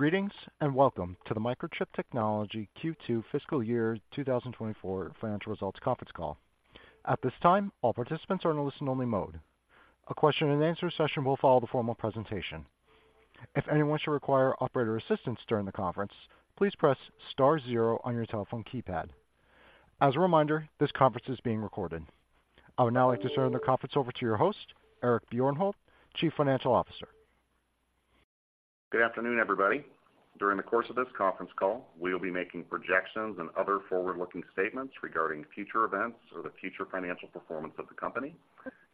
Greetings, and welcome to the Microchip Technology Q2 Fiscal Year 2024 Financial Results Conference Call. At this time, all participants are in a listen-only mode. A question-and-answer session will follow the formal presentation. If anyone should require operator assistance during the conference, please press star zero on your telephone keypad. As a reminder, this conference is being recorded. I would now like to turn the conference over to your host, Eric Bjornholt, Chief Financial Officer. Good afternoon, everybody. During the course of this conference call, we will be making projections and other forward-looking statements regarding future events or the future financial performance of the company.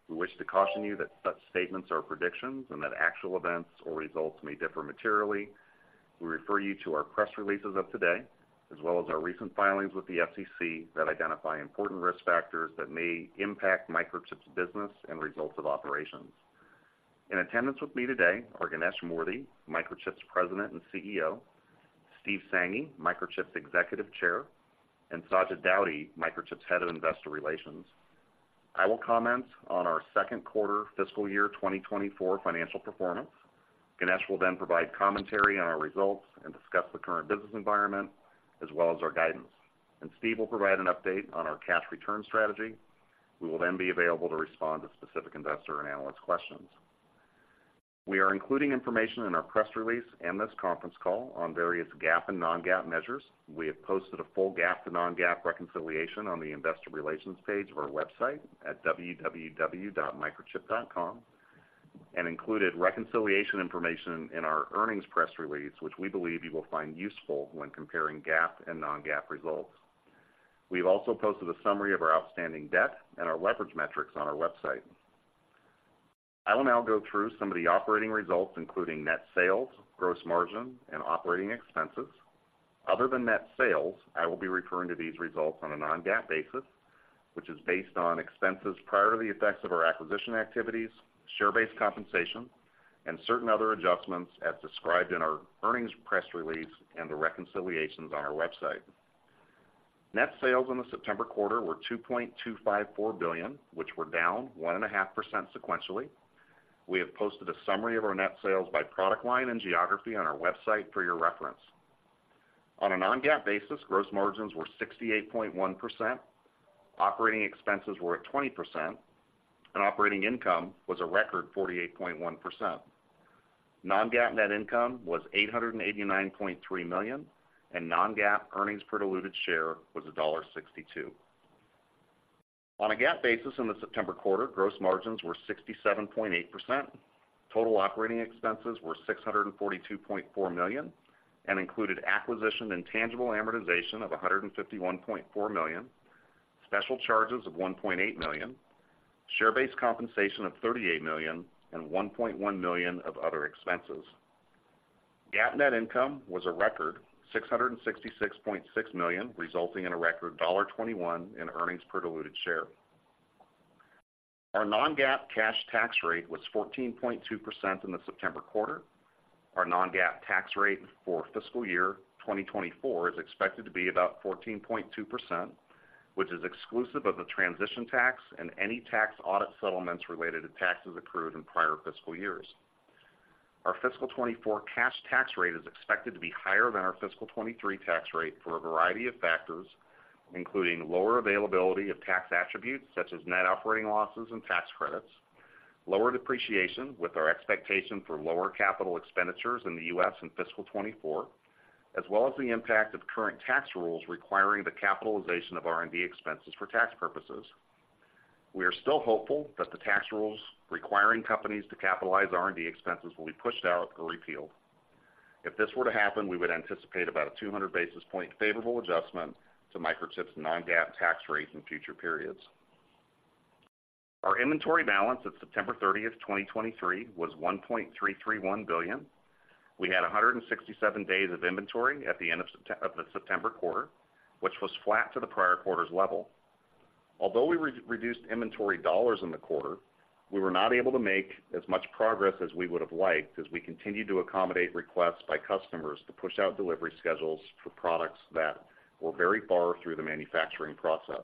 We wish to caution you that such statements are predictions and that actual events or results may differ materially. We refer you to our press releases of today, as well as our recent filings with the SEC that identify important risk factors that may impact Microchip's business and results of operations. In attendance with me today are Ganesh Moorthy, Microchip's President and CEO, Steve Sanghi, Microchip's Executive Chair, and Sajid Daudi, Microchip's Head of Investor Relations. I will comment on our second quarter fiscal year 2024 financial performance. Ganesh will then provide commentary on our results and discuss the current business environment, as well as our guidance, and Steve will provide an update on our cash return strategy. We will then be available to respond to specific investor and analyst questions. We are including information in our press release and this conference call on various GAAP and Non-GAAP measures. We have posted a full GAAP to non-GAAP reconciliation on the Investor Relations page of our website at www.microchip.com, and included reconciliation information in our earnings press release, which we believe you will find useful when comparing GAAP and Non-GAAP results. We've also posted a summary of our outstanding debt and our leverage metrics on our website. I will now go through some of the operating results, including net sales, gross margin, and operating expenses. Other than net sales, I will be referring to these results on a non-GAAP basis, which is based on expenses prior to the effects of our acquisition activities, share-based compensation, and certain other adjustments as described in our earnings press release and the reconciliations on our website. Net sales in the September quarter were $2.254 billion, which were down 1.5% sequentially. We have posted a summary of our net sales by product line and geography on our website for your reference. On a non-GAAP basis, gross margins were 68.1%, operating expenses were at 20%, and operating income was a record 48.1%. Non-GAAP net income was $889.3 million, and non-GAAP earnings per diluted share was $1.62. On a GAAP basis in the September quarter, gross margins were 67.8%. Total operating expenses were $642.4 million and included acquisition and tangible amortization of $151.4 million, special charges of $1.8 million, share-based compensation of $38 million, and $1.1 million of other expenses. GAAP net income was a record $666.6 million, resulting in a record $1.21 in earnings per diluted share. Our non-GAAP cash tax rate was 14.2% in the September quarter. Our non-GAAP tax rate for fiscal year 2024 is expected to be about 14.2%, which is exclusive of the transition tax and any tax audit settlements related to taxes accrued in prior fiscal years. Our fiscal 2024 cash tax rate is expected to be higher than our fiscal 2023 tax rate for a variety of factors, including lower availability of tax attributes, such as net operating losses and tax credits, lower depreciation with our expectation for lower capital expenditures in the U.S. in fiscal 2024, as well as the impact of current tax rules requiring the capitalization of R&D expenses for tax purposes. We are still hopeful that the tax rules requiring companies to capitalize R&D expenses will be pushed out or repealed. If this were to happen, we would anticipate about a 200 basis point favorable adjustment to Microchip's non-GAAP tax rate in future periods. Our inventory balance at September 30, 2023, was $1.331 billion. We had 167 days of inventory at the end of September quarter, which was flat to the prior quarter's level. Although we reduced inventory dollars in the quarter, we were not able to make as much progress as we would have liked, as we continued to accommodate requests by customers to push out delivery schedules for products that were very far through the manufacturing process.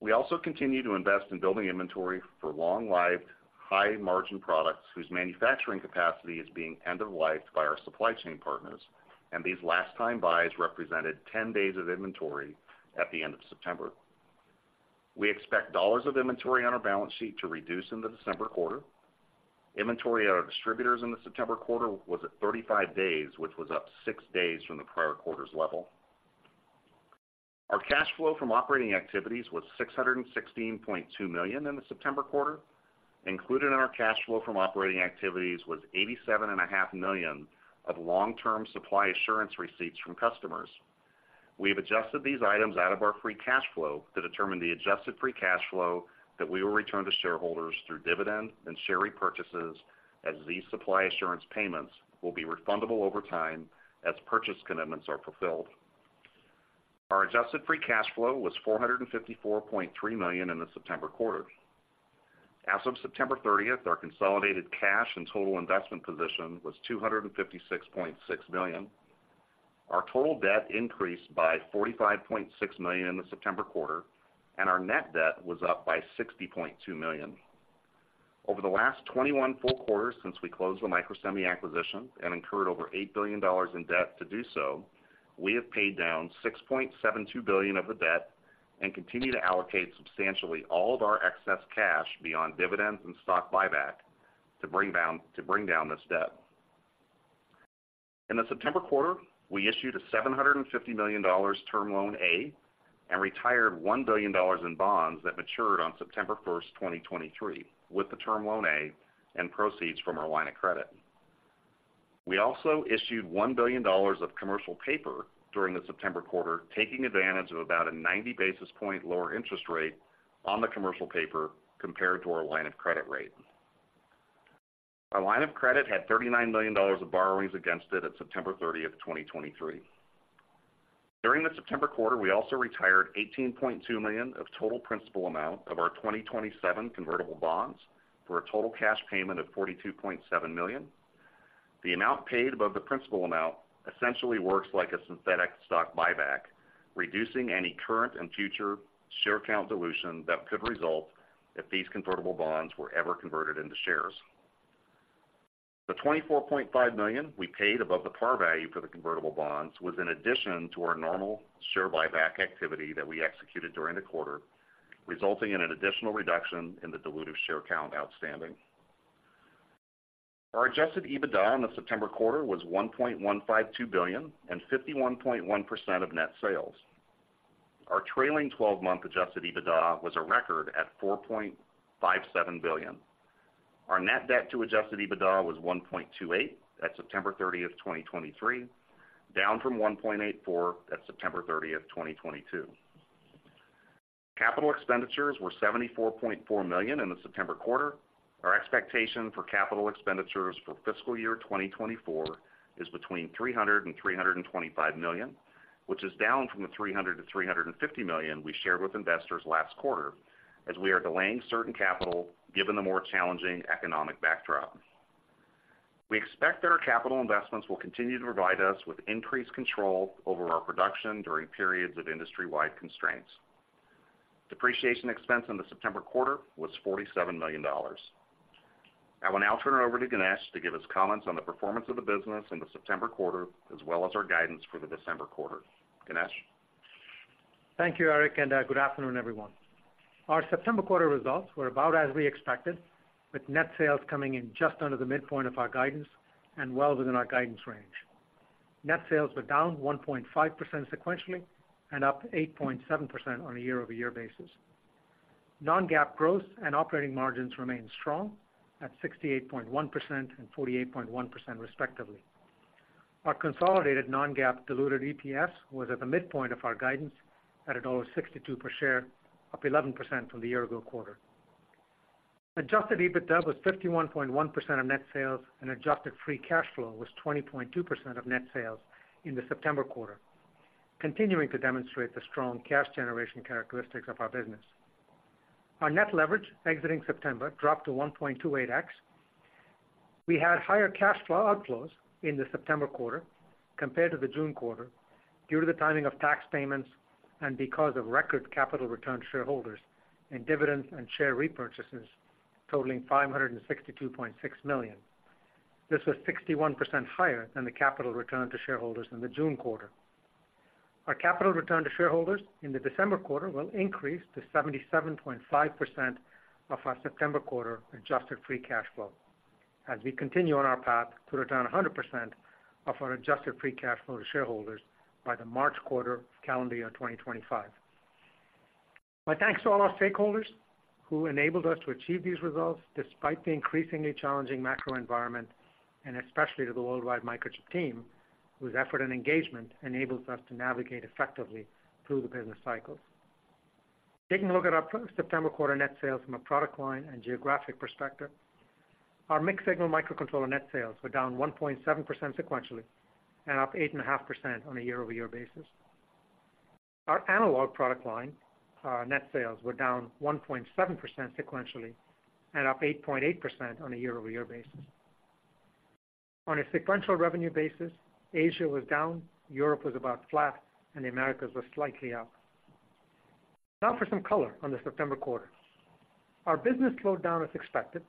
We also continued to invest in building inventory for long-lived, high-margin products whose manufacturing capacity is being end-of-lifed by our supply chain partners, and these last-time buys represented 10 days of inventory at the end of September. We expect dollars of inventory on our balance sheet to reduce in the December quarter. Inventory at our distributors in the September quarter was at 35 days, which was up six days from the prior quarter's level. Our cash flow from operating activities was $616.2 million in the September quarter. Included in our cash flow from operating activities was $87.5 million of long-term supply assurance receipts from customers. We have adjusted these items out of our free cash flow to determine the adjusted free cash flow that we will return to shareholders through dividend and share repurchases, as these supply assurance payments will be refundable over time as purchase commitments are fulfilled. Our adjusted free cash flow was $454.3 million in the September quarter. As of September 30, our consolidated cash and total investment position was $256.6 million. Our total debt increased by $45.6 million in the September quarter, and our net debt was up by $60.2 million. Over the last 21 full quarters since we closed the Microsemi acquisition and incurred over $8 billion in debt to do so, we have paid down $6.72 billion of the debt and continue to allocate substantially all of our excess cash beyond dividends and stock buyback to bring down, to bring down this debt. In the September quarter, we issued a $750 million Term Loan A, and retired $1 billion in bonds that matured on September 1, 2023, with the Term loan A and proceeds from our line of credit. We also issued $1 billion of commercial paper during the September quarter, taking advantage of about a 90 basis points lower interest rate on the commercial paper compared to our line of credit rate. Our line of credit had $39 million of borrowings against it at September 30, 2023. During the September quarter, we also retired 18.2 million of total principal amount of our 2027 convertible bonds for a total cash payment of $42.7 million. The amount paid above the principal amount essentially works like a synthetic stock buyback, reducing any current and future share count dilution that could result if these convertible bonds were ever converted into shares. The $24.5 million we paid above the par value for the convertible bonds was in addition to our normal share buyback activity that we executed during the quarter, resulting in an additional reduction in the dilutive share count outstanding. Our Adjusted EBITDA in the September quarter was $1.152 billion and 51.1% of net sales. Our trailing 12-month Adjusted EBITDA was a record at $4.57 billion. Our net debt to Adjusted EBITDA was 1.28 at September 30, 2023, down from 1.84 at September 30, 2022. Capital expenditures were $74.4 million in the September quarter. Our expectation for capital expenditures for fiscal year 2024 is between $300 million and $325 million, which is down from the $300 million-$350 million we shared with investors last quarter, as we are delaying certain capital, given the more challenging economic backdrop. We expect that our capital investments will continue to provide us with increased control over our production during periods of industry-wide constraints. Depreciation expense in the September quarter was $47 million. I will now turn it over to Ganesh to give us comments on the performance of the business in the September quarter, as well as our guidance for the December quarter. Ganesh? Thank you, Eric, and good afternoon, everyone. Our September quarter results were about as we expected, with net sales coming in just under the midpoint of our guidance and well within our guidance range. Net sales were down 1.5% sequentially and up 8.7% on a year-over-year basis. Non-GAAP gross and operating margins remained strong at 68.1% and 48.1%, respectively. Our consolidated non-GAAP diluted EPS was at the midpoint of our guidance at $1.62 per share, up 11% from the year-ago quarter. Adjusted EBITDA was 51.1% of net sales, and adjusted free cash flow was 20.2% of net sales in the September quarter, continuing to demonstrate the strong cash generation characteristics of our business. Our net leverage exiting September dropped to 1.28x. We had higher cash flow outflows in the September quarter compared to the June quarter due to the timing of tax payments and because of record capital return to shareholders in dividends and share repurchases, totaling $562.6 million. This was 61% higher than the capital return to shareholders in the June quarter. Our capital return to shareholders in the December quarter will increase to 77.5% of our September quarter adjusted free cash flow, as we continue on our path to return 100% of our adjusted free cash flow to shareholders by the March quarter of calendar year 2025. My thanks to all our stakeholders who enabled us to achieve these results, despite the increasingly challenging macro environment, and especially to the worldwide Microchip team, whose effort and engagement enables us to navigate effectively through the business cycles. Taking a look at our September quarter net sales from a product line and geographic perspective, our Mixed-Signal Microcontroller net sales were down 1.7% sequentially and up 8.5% on a year-over-year basis. Our Analog product line, our net sales were down 1.7% sequentially and up 8.8% on a year-over-year basis. On a sequential revenue basis, Asia was down, Europe was about flat, and the Americas were slightly up. Now for some color on the September quarter. Our business slowed down as expected,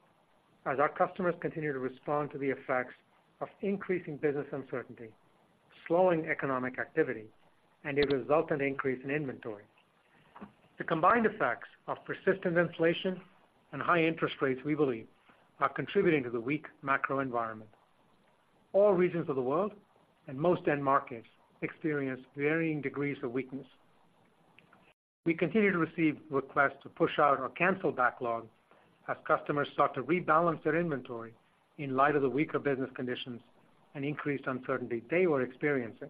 as our customers continue to respond to the effects of increasing business uncertainty, slowing economic activity, and a resultant increase in inventory. The combined effects of persistent inflation and high interest rates, we believe, are contributing to the weak macro environment. All regions of the world and most end markets experience varying degrees of weakness. We continue to receive requests to push out or cancel backlog as customers sought to rebalance their inventory in light of the weaker business conditions and increased uncertainty they were experiencing,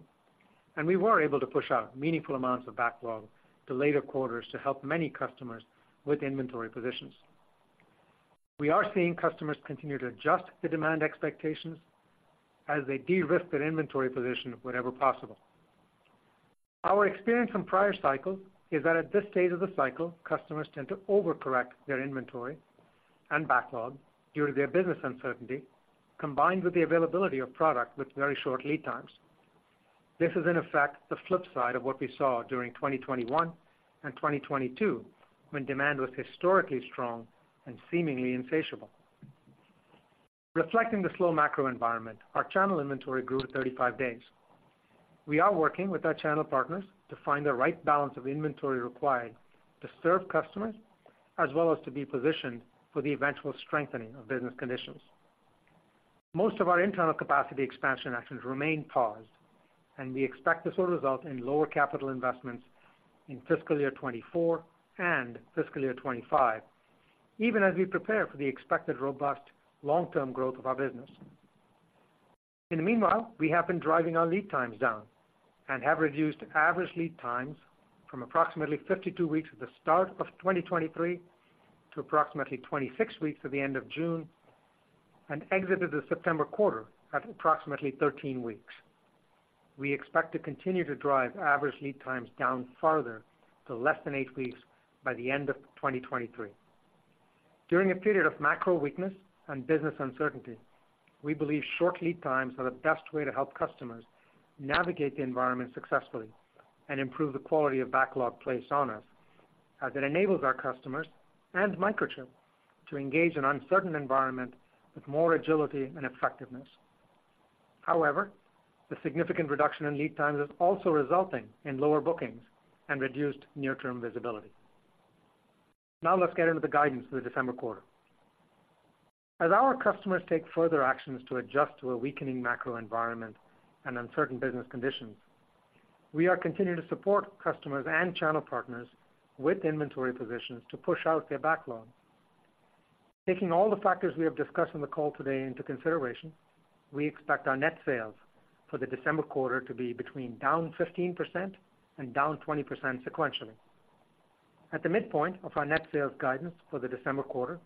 and we were able to push out meaningful amounts of backlog to later quarters to help many customers with inventory positions. We are seeing customers continue to adjust the demand expectations as they de-risk their inventory position wherever possible. Our experience from prior cycles is that at this stage of the cycle, customers tend to overcorrect their inventory and backlog due to their business uncertainty, combined with the availability of product with very short lead times. This is, in effect, the flip side of what we saw during 2021 and 2022, when demand was historically strong and seemingly insatiable. Reflecting the slow macro environment, our channel inventory grew to 35 days. We are working with our channel partners to find the right balance of inventory required to serve customers, as well as to be positioned for the eventual strengthening of business conditions. Most of our internal capacity expansion actions remain paused, and we expect this will result in lower capital investments in fiscal year 2024 and fiscal year 2025, even as we prepare for the expected robust long-term growth of our business. In the meanwhile, we have been driving our lead times down and have reduced average lead times from approximately 52 weeks at the start of 2023 to approximately 26 weeks at the end of June, and exited the September quarter at approximately 13 weeks. We expect to continue to drive average lead times down further to less than eight weeks by the end of 2023. During a period of macro weakness and business uncertainty, we believe short lead times are the best way to help customers navigate the environment successfully and improve the quality of backlog placed on us, as it enables our customers and Microchip to engage an uncertain environment with more agility and effectiveness. However, the significant reduction in lead times is also resulting in lower bookings and reduced near-term visibility. Now let's get into the guidance for the December quarter. As our customers take further actions to adjust to a weakening macro environment and uncertain business conditions, we are continuing to support customers and channel partners with inventory positions to push out their backlog. Taking all the factors we have discussed on the call today into consideration, we expect our net sales for the December quarter to be between down 15% and down 20% sequentially. At the midpoint of our net sales guidance for the December quarter,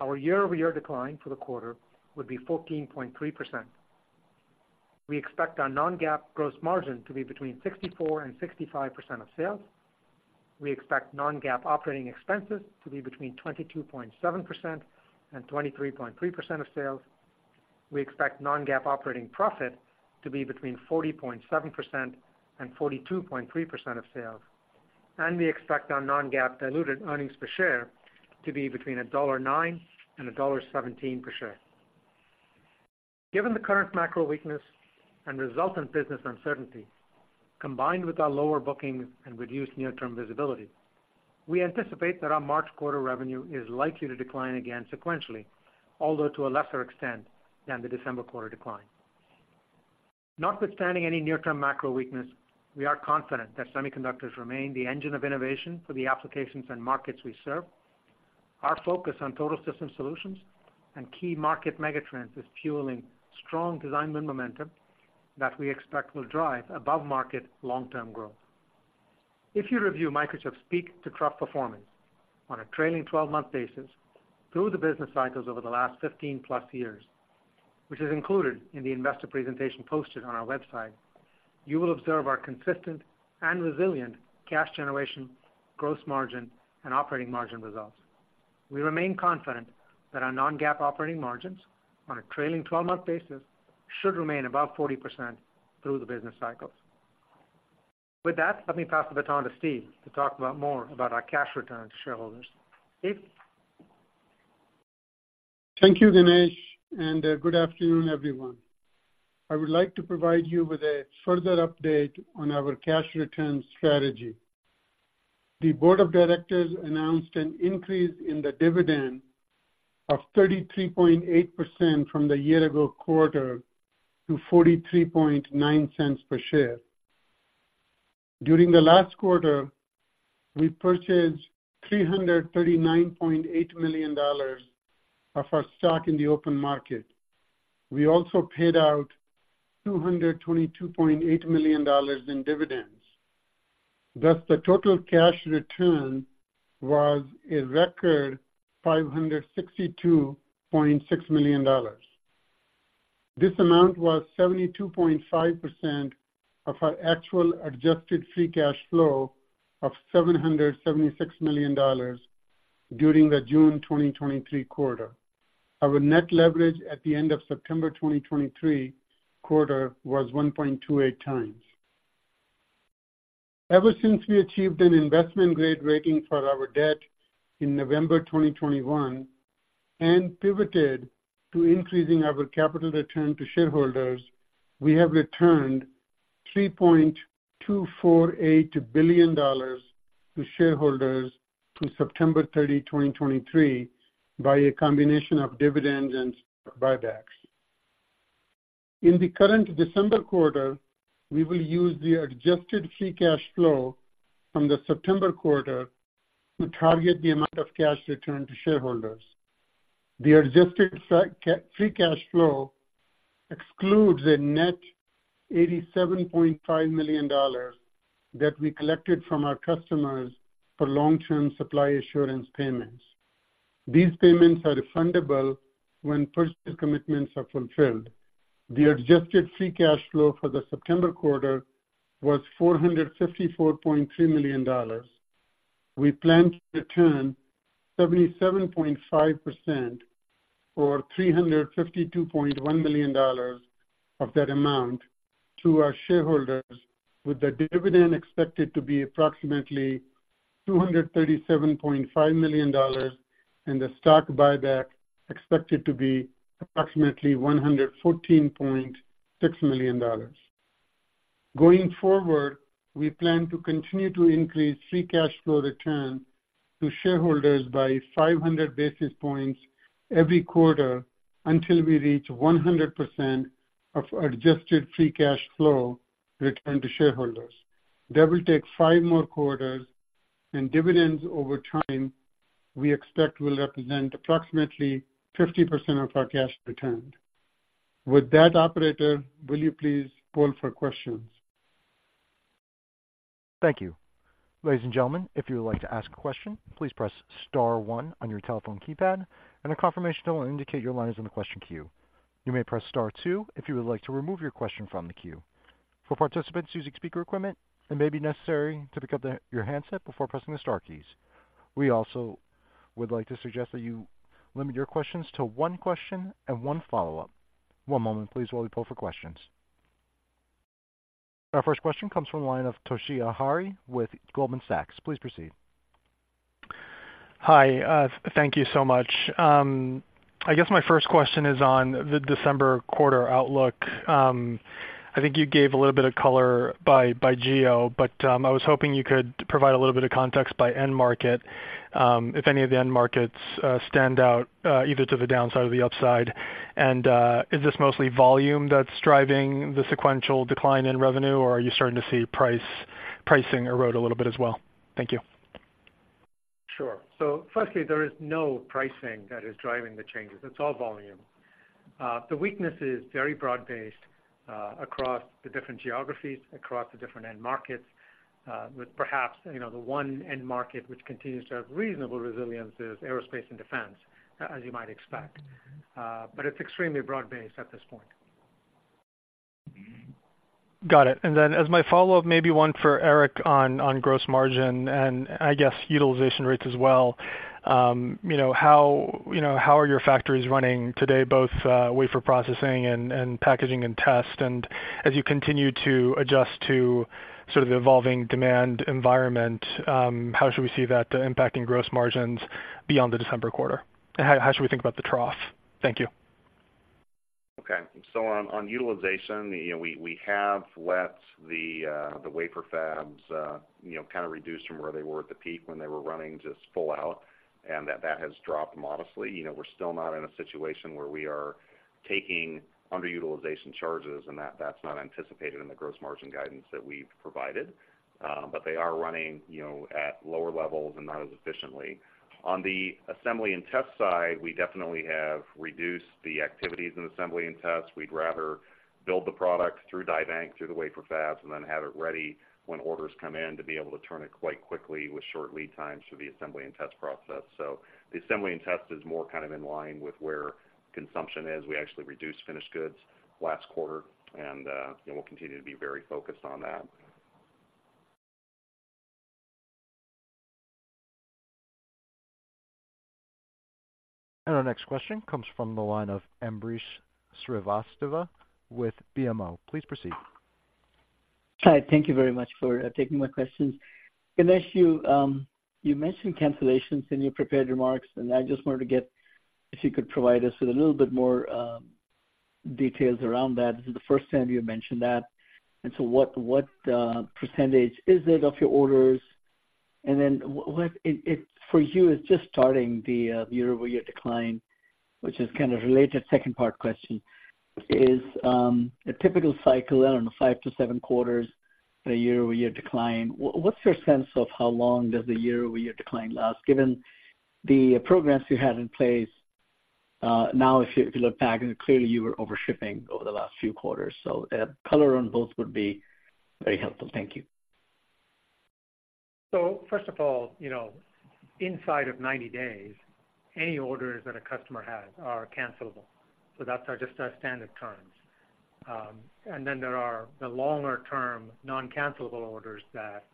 our year-over-year decline for the quarter would be 14.3%. We expect our non-GAAP gross margin to be between 64% and 65% of sales. We expect non-GAAP operating expenses to be between 22.7% and 23.3% of sales. We expect non-GAAP operating profit to be between 40.7% and 42.3% of sales, and we expect our non-GAAP diluted earnings per share to be between $1.09 and $1.17 per share. Given the current macro weakness and resultant business uncertainty, combined with our lower bookings and reduced near-term visibility, we anticipate that our March quarter revenue is likely to decline again sequentially, although to a lesser extent than the December quarter decline. Notwithstanding any near-term macro weakness, we are confident that semiconductors remain the engine of innovation for the applications and markets we serve. Our focus on total system solutions and key market megatrends is fueling strong design win momentum that we expect will drive above-market long-term growth. If you review Microchip's peak-to-trough performance on a trailing 12-month basis through the business cycles over the last 15+ years, which is included in the investor presentation posted on our website, you will observe our consistent and resilient cash generation, gross margin, and operating margin results. We remain confident that our non-GAAP operating margins on a trailing 12-month basis should remain above 40% through the business cycles. With that, let me pass the baton to Steve to talk about more about our cash return to shareholders. Steve? Thank you, Ganesh, and good afternoon, everyone. I would like to provide you with a further update on our cash return strategy. The board of directors announced an increase in the dividend of 33.8% from the year ago quarter to $0.439 per share. During the last quarter, we purchased $339.8 million of our stock in the open market. We also paid out $222.8 million in dividends. Thus, the total cash return was a record $562.6 million. This amount was 72.5% of our actual adjusted free cash flow of $776 million during the June 2023 quarter. Our net leverage at the end of September 2023 quarter was 1.28x. Ever since we achieved an investment-grade rating for our debt in November 2021 and pivoted to increasing our capital return to shareholders, we have returned $3.248 billion to shareholders through September 30, 2023, by a combination of dividends and buybacks. In the current December quarter, we will use the adjusted free cash flow from the September quarter to target the amount of cash returned to shareholders. The adjusted free cash flow excludes a net $87.5 million that we collected from our customers for long-term supply assurance payments. These payments are refundable when purchase commitments are fulfilled. The adjusted free cash flow for the September quarter was $454.3 million. We plan to return 77.5%, or $352.1 million of that amount to our shareholders, with the dividend expected to be approximately $237.5 million, and the stock buyback expected to be approximately $114.6 million. Going forward, we plan to continue to increase free cash flow return to shareholders by 500 basis points every quarter until we reach 100% of adjusted free cash flow returned to shareholders. That will take five more quarters, and dividends over time, we expect will represent approximately 50% of our cash returned. With that, operator, will you please poll for questions? Thank you. Ladies and gentlemen, if you would like to ask a question, please press star one on your telephone keypad, and a confirmation tone will indicate your line is in the question queue. You may press star two if you would like to remove your question from the queue. For participants using speaker equipment, it may be necessary to pick up your handset before pressing the star keys. We also would like to suggest that you limit your questions to one question and one follow-up. One moment, please, while we poll for questions. Our first question comes from the line of Toshiya Hari with Goldman Sachs. Please proceed. Hi, thank you so much. I guess my first question is on the December quarter outlook. I think you gave a little bit of color by geo, but I was hoping you could provide a little bit of context by end market, if any of the end markets stand out, either to the downside or the upside. And, is this mostly volume that's driving the sequential decline in revenue, or are you starting to see price, pricing erode a little bit as well? Thank you. Sure. So firstly, there is no pricing that is driving the changes. It's all volume. The weakness is very broad-based, across the different geographies, across the different end markets, with perhaps, you know, the one end market which continues to have reasonable resilience is aerospace and defense, as you might expect. But it's extremely broad-based at this point. Got it. And then as my follow-up, maybe one for Eric on gross margin and I guess utilization rates as well. You know, how, you know, how are your factories running today, both wafer processing and packaging and test? And as you continue to adjust to sort of the evolving demand environment, how should we see that impacting gross margins beyond the December quarter? And how, how should we think about the trough? Thank you. Okay. So on, on utilization, you know, we, we have let the, the wafer fabs, you know, kind of reduce from where they were at the peak when they were running just full out, and that, that has dropped modestly. You know, we're still not in a situation where we are taking underutilization charges, and that's not anticipated in the gross margin guidance that we've provided. But they are running, you know, at lower levels and not as efficiently. On the assembly and test side, we definitely have reduced the activities in assembly and tests. We'd rather build the product through die bank, through the wafer fabs, and then have it ready when orders come in to be able to turn it quite quickly with short lead times through the assembly and test process. The assembly and test is more kind of in line with where consumption is. We actually reduced finished goods last quarter, and we'll continue to be very focused on that. Our next question comes from the line of Ambrish Srivastava with BMO. Please proceed. Hi, thank you very much for taking my questions. Ganesh, you, you mentioned cancellations in your prepared remarks, and I just wanted to get if you could provide us with a little bit more, details around that. This is the first time you've mentioned that. And so what, what, percentage is it of your orders? And then what is it for you is just starting the year-over-year decline, which is kind of related. Second part question is the typical cycle, I don't know, 5-7 quarters a year-over-year decline. What's your sense of how long does the year-over-year decline last, given the programs you had in place? Now, if you, if you look back, and clearly you were over shipping over the last few quarters, so, color on both would be very helpful. Thank you. So first of all, you know, inside of 90 days, any orders that a customer has are cancelable. So that's our, just our standard terms. And then there are the longer-term, non-cancelable orders that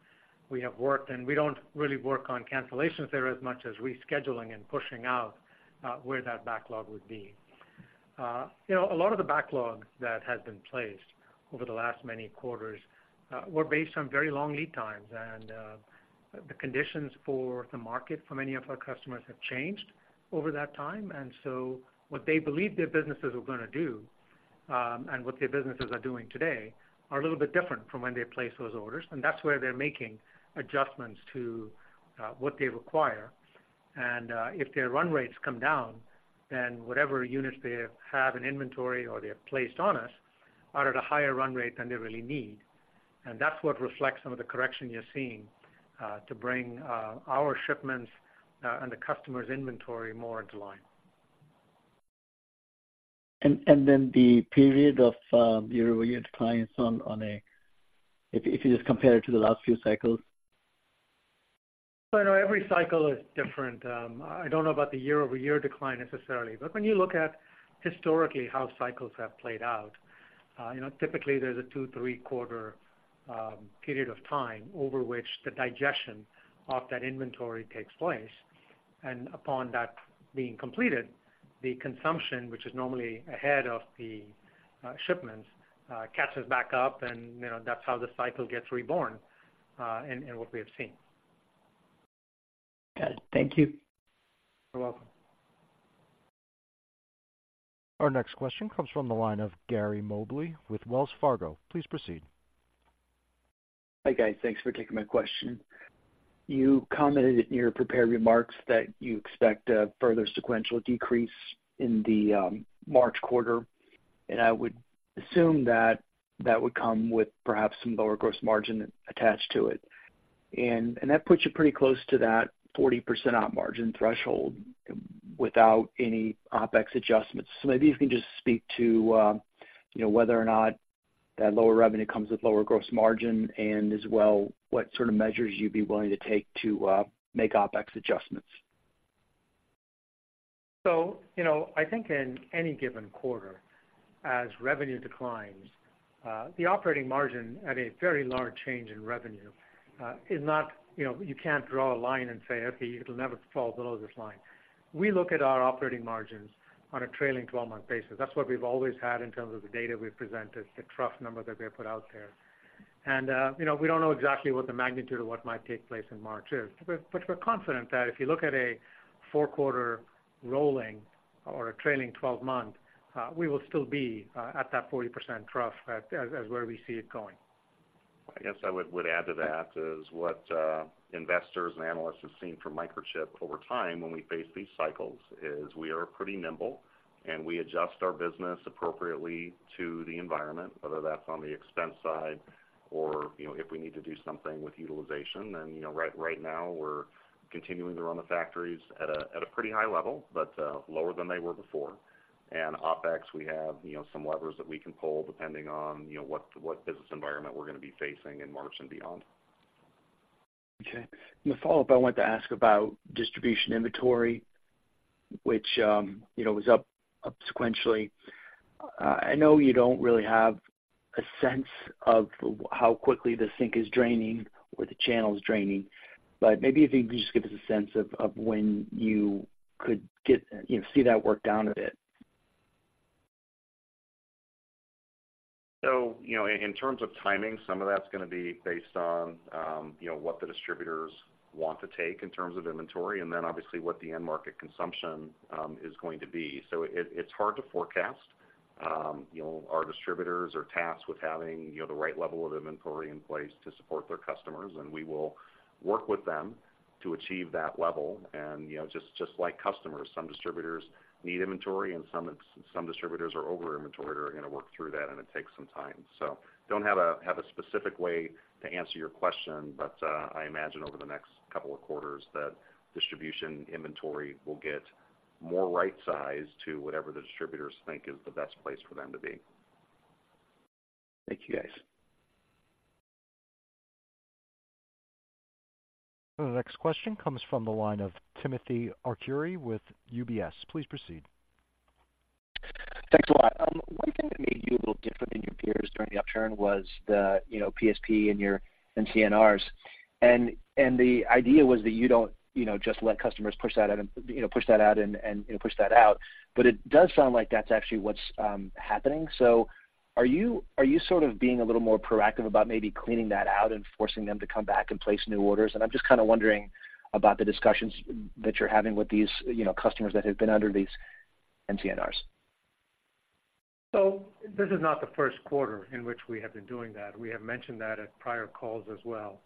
we have worked, and we don't really work on cancellations there as much as rescheduling and pushing out, where that backlog would be. You know, a lot of the backlogs that have been placed over the last many quarters were based on very long lead times, and the conditions for the market for many of our customers have changed over that time. And so what they believed their businesses were gonna do, and what their businesses are doing today, are a little bit different from when they placed those orders, and that's where they're making adjustments to what they require. And, if their run rates come down, then whatever units they have in inventory or they have placed on us are at a higher run rate than they really need. And that's what reflects some of the correction you're seeing, to bring, our shipments, and the customer's inventory more into line. And then the period of year-over-year declines on a, if you just compare it to the last few cycles? So I know every cycle is different. I don't know about the year-over-year decline necessarily, but when you look at historically how cycles have played out, you know, typically there's a two, three-quarter period of time over which the digestion of that inventory takes place. And upon that being completed, the consumption, which is normally ahead of the shipments, catches back up, and, you know, that's how the cycle gets reborn in what we have seen. Got it. Thank you. You're welcome. Our next question comes from the line of Gary Mobley with Wells Fargo. Please proceed. Hi, guys. Thanks for taking my question. You commented in your prepared remarks that you expect a further sequential decrease in the March quarter, and I would assume that that would come with perhaps some lower gross margin attached to it. And that puts you pretty close to that 40% operating margin threshold without any OpEx adjustments. So maybe if you can just speak to, you know, whether or not that lower revenue comes with lower gross margin, and as well, what sort of measures you'd be willing to take to make OpEx adjustments. So, you know, I think in any given quarter, as revenue declines, the operating margin at a very large change in revenue is not, you know, you can't draw a line and say, "Okay, it'll never fall below this line." We look at our operating margins on a trailing 12-month basis. That's what we've always had in terms of the data we've presented, the trough number that we have put out there. And, you know, we don't know exactly what the magnitude of what might take place in March is. But, we're confident that if you look at a four-quarter rolling or a trailing 12-month, we will still be at that 40% trough as where we see it going. I guess I would add to that, what investors and analysts have seen from Microchip over time when we face these cycles, is we are pretty nimble, and we adjust our business appropriately to the environment, whether that's on the expense side or, you know, if we need to do something with utilization. And, you know, right now, we're continuing to run the factories at a pretty high level, but lower than they were before. And OpEx, we have, you know, some levers that we can pull, depending on, you know, what business environment we're going to be facing in March and beyond. Okay. In the follow-up, I wanted to ask about distribution inventory, which, you know, was up, up sequentially. I know you don't really have a sense of how quickly the sink is draining or the channel is draining, but maybe if you could just give us a sense of when you could get, you know, see that work down a bit. So, you know, in terms of timing, some of that's going to be based on, you know, what the distributors want to take in terms of inventory, and then obviously, what the end market consumption is going to be. So it's hard to forecast. You know, our distributors are tasked with having, you know, the right level of inventory in place to support their customers, and we will work with them to achieve that level. And, you know, just like customers, some distributors need inventory and some distributors are over-inventoried, are going to work through that, and it takes some time. So don't have a specific way to answer your question, but I imagine over the next couple of quarters, that distribution inventory will get more right-sized to whatever the distributors think is the best place for them to be. Thank you, guys. The next question comes from the line of Timothy Arcuri with UBS. Please proceed. Thanks a lot. One thing that made you a little different than your peers during the upturn was the, you know, PSP and your NCNRs. And, and the idea was that you don't, you know, just let customers push that out and, you know, push that out and, and, you know, push that out. But it does sound like that's actually what's happening. So are you, are you sort of being a little more proactive about maybe cleaning that out and forcing them to come back and place new orders? And I'm just kind of wondering about the discussions that you're having with these, you know, customers that have been under these NCNRs. So this is not the first quarter in which we have been doing that. We have mentioned that at prior calls as well.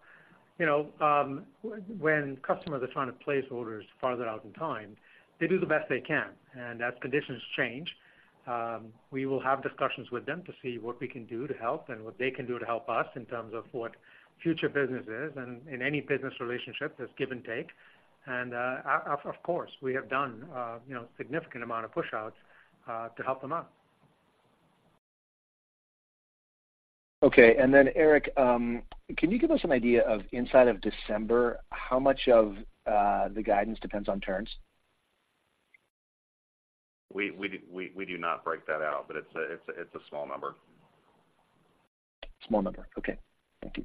You know, when customers are trying to place orders farther out in time, they do the best they can. And as conditions change, we will have discussions with them to see what we can do to help and what they can do to help us in terms of what future business is. And in any business relationship, there's give and take. And, of course, we have done, you know, significant amount of push-outs, to help them out. Okay. And then, Eric, can you give us an idea of inside of December, how much of the guidance depends on turns? We do not break that out, but it's a small number. Small number. Okay, thank you.